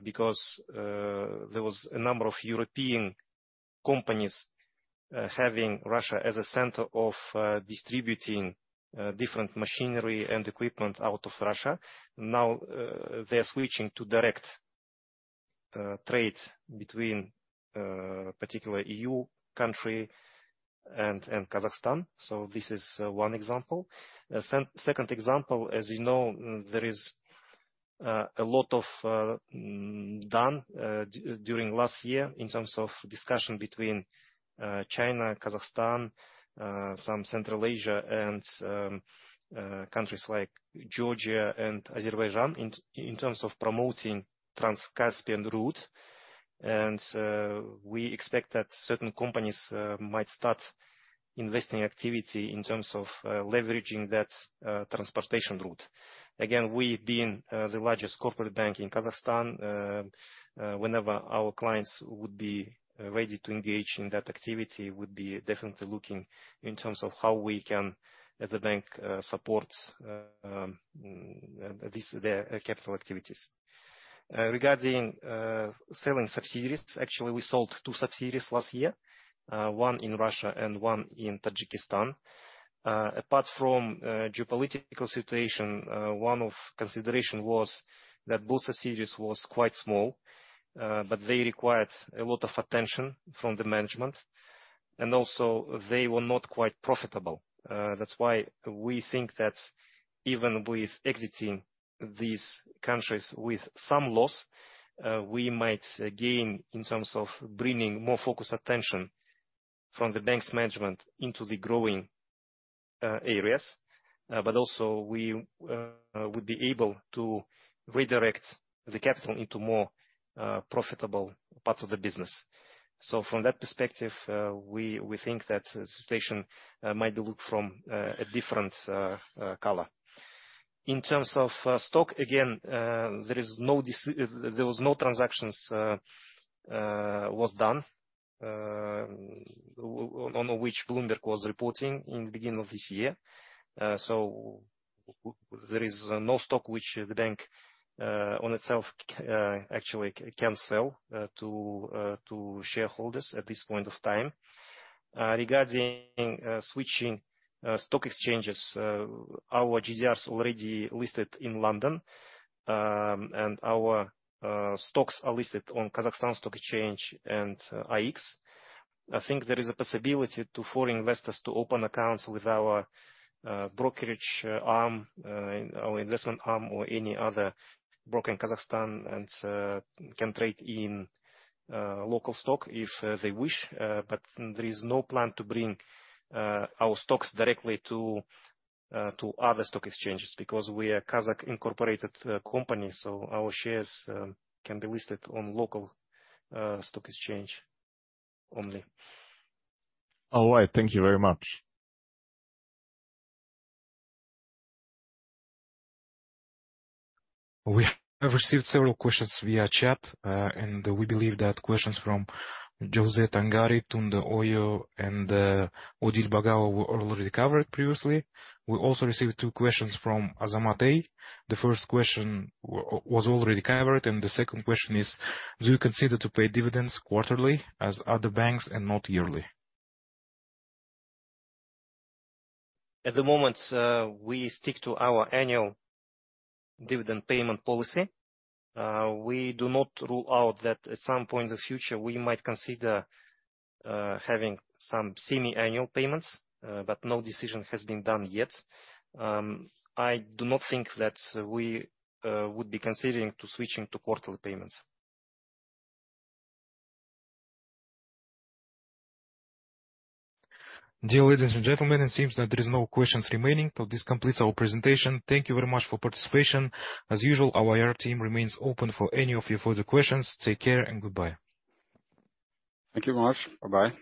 because there was a number of European companies having Russia as a center of distributing different machinery and equipment out of Russia. Now, they're switching to direct trade between particular EU country and Kazakhstan. This is one example. Second example, as you know, there is a lot of done during last year in terms of discussion between China, Kazakhstan, some Central Asia and countries like Georgia and Azerbaijan in terms of promoting Trans-Caspian route. We expect that certain companies might start investing activity in terms of leveraging that transportation route. Again, we've been the largest corporate bank in Kazakhstan. Whenever our clients would be ready to engage in that activity, we'd be definitely looking in terms of how we can, as a bank, support their capital activities. Regarding selling subsidiaries, actually, we sold 2 subsidiaries last year, one in Russia and one in Tajikistan. Apart from geopolitical situation, one of consideration was that both subsidiaries was quite small, but they required a lot of attention from the management, and also they were not quite profitable. That's why we think that even with exiting these countries with some loss, we might gain in terms of bringing more focused attention from the bank's management into the growing areas. Also we would be able to redirect the capital into more profitable parts of the business. From that perspective, we think that the situation might look from a different color. In terms of stock, again, there was no transactions done on which Bloomberg was reporting in the beginning of this year. There is no stock which the bank on itself actually can sell to shareholders at this point of time. Regarding switching stock exchanges, our GDRs already listed in London, and our stocks are listed on Kazakhstan Stock Exchange and AIX. I think there is a possibility to foreign investors to open accounts with our brokerage arm, our investment arm or any other broker in Kazakhstan and can trade in local stock if they wish. But there is no plan to bring our stocks directly to other stock exchanges because we are Kazakh incorporated company, so our shares can be listed on local stock exchange only. All right. Thank you very much. We have received several questions via chat, and we believe that questions from Jose Tancari, Tunde Ojo, and Odile Bagao were already covered previously. We also received two questions from Azamat Ayt. The first question was already covered, and the second question is, do you consider to pay dividends quarterly as other banks and not yearly? At the moment, we stick to our annual dividend payment policy. We do not rule out that at some point in the future we might consider, having some semi-annual payments, no decision has been done yet. I do not think that we would be considering to switching to quarterly payments. Dear ladies and gentlemen, it seems that there is no questions remaining. This completes our presentation. Thank you very much for participation. As usual, our IR team remains open for any of your further questions. Take care and goodbye. Thank you much. Bye-bye.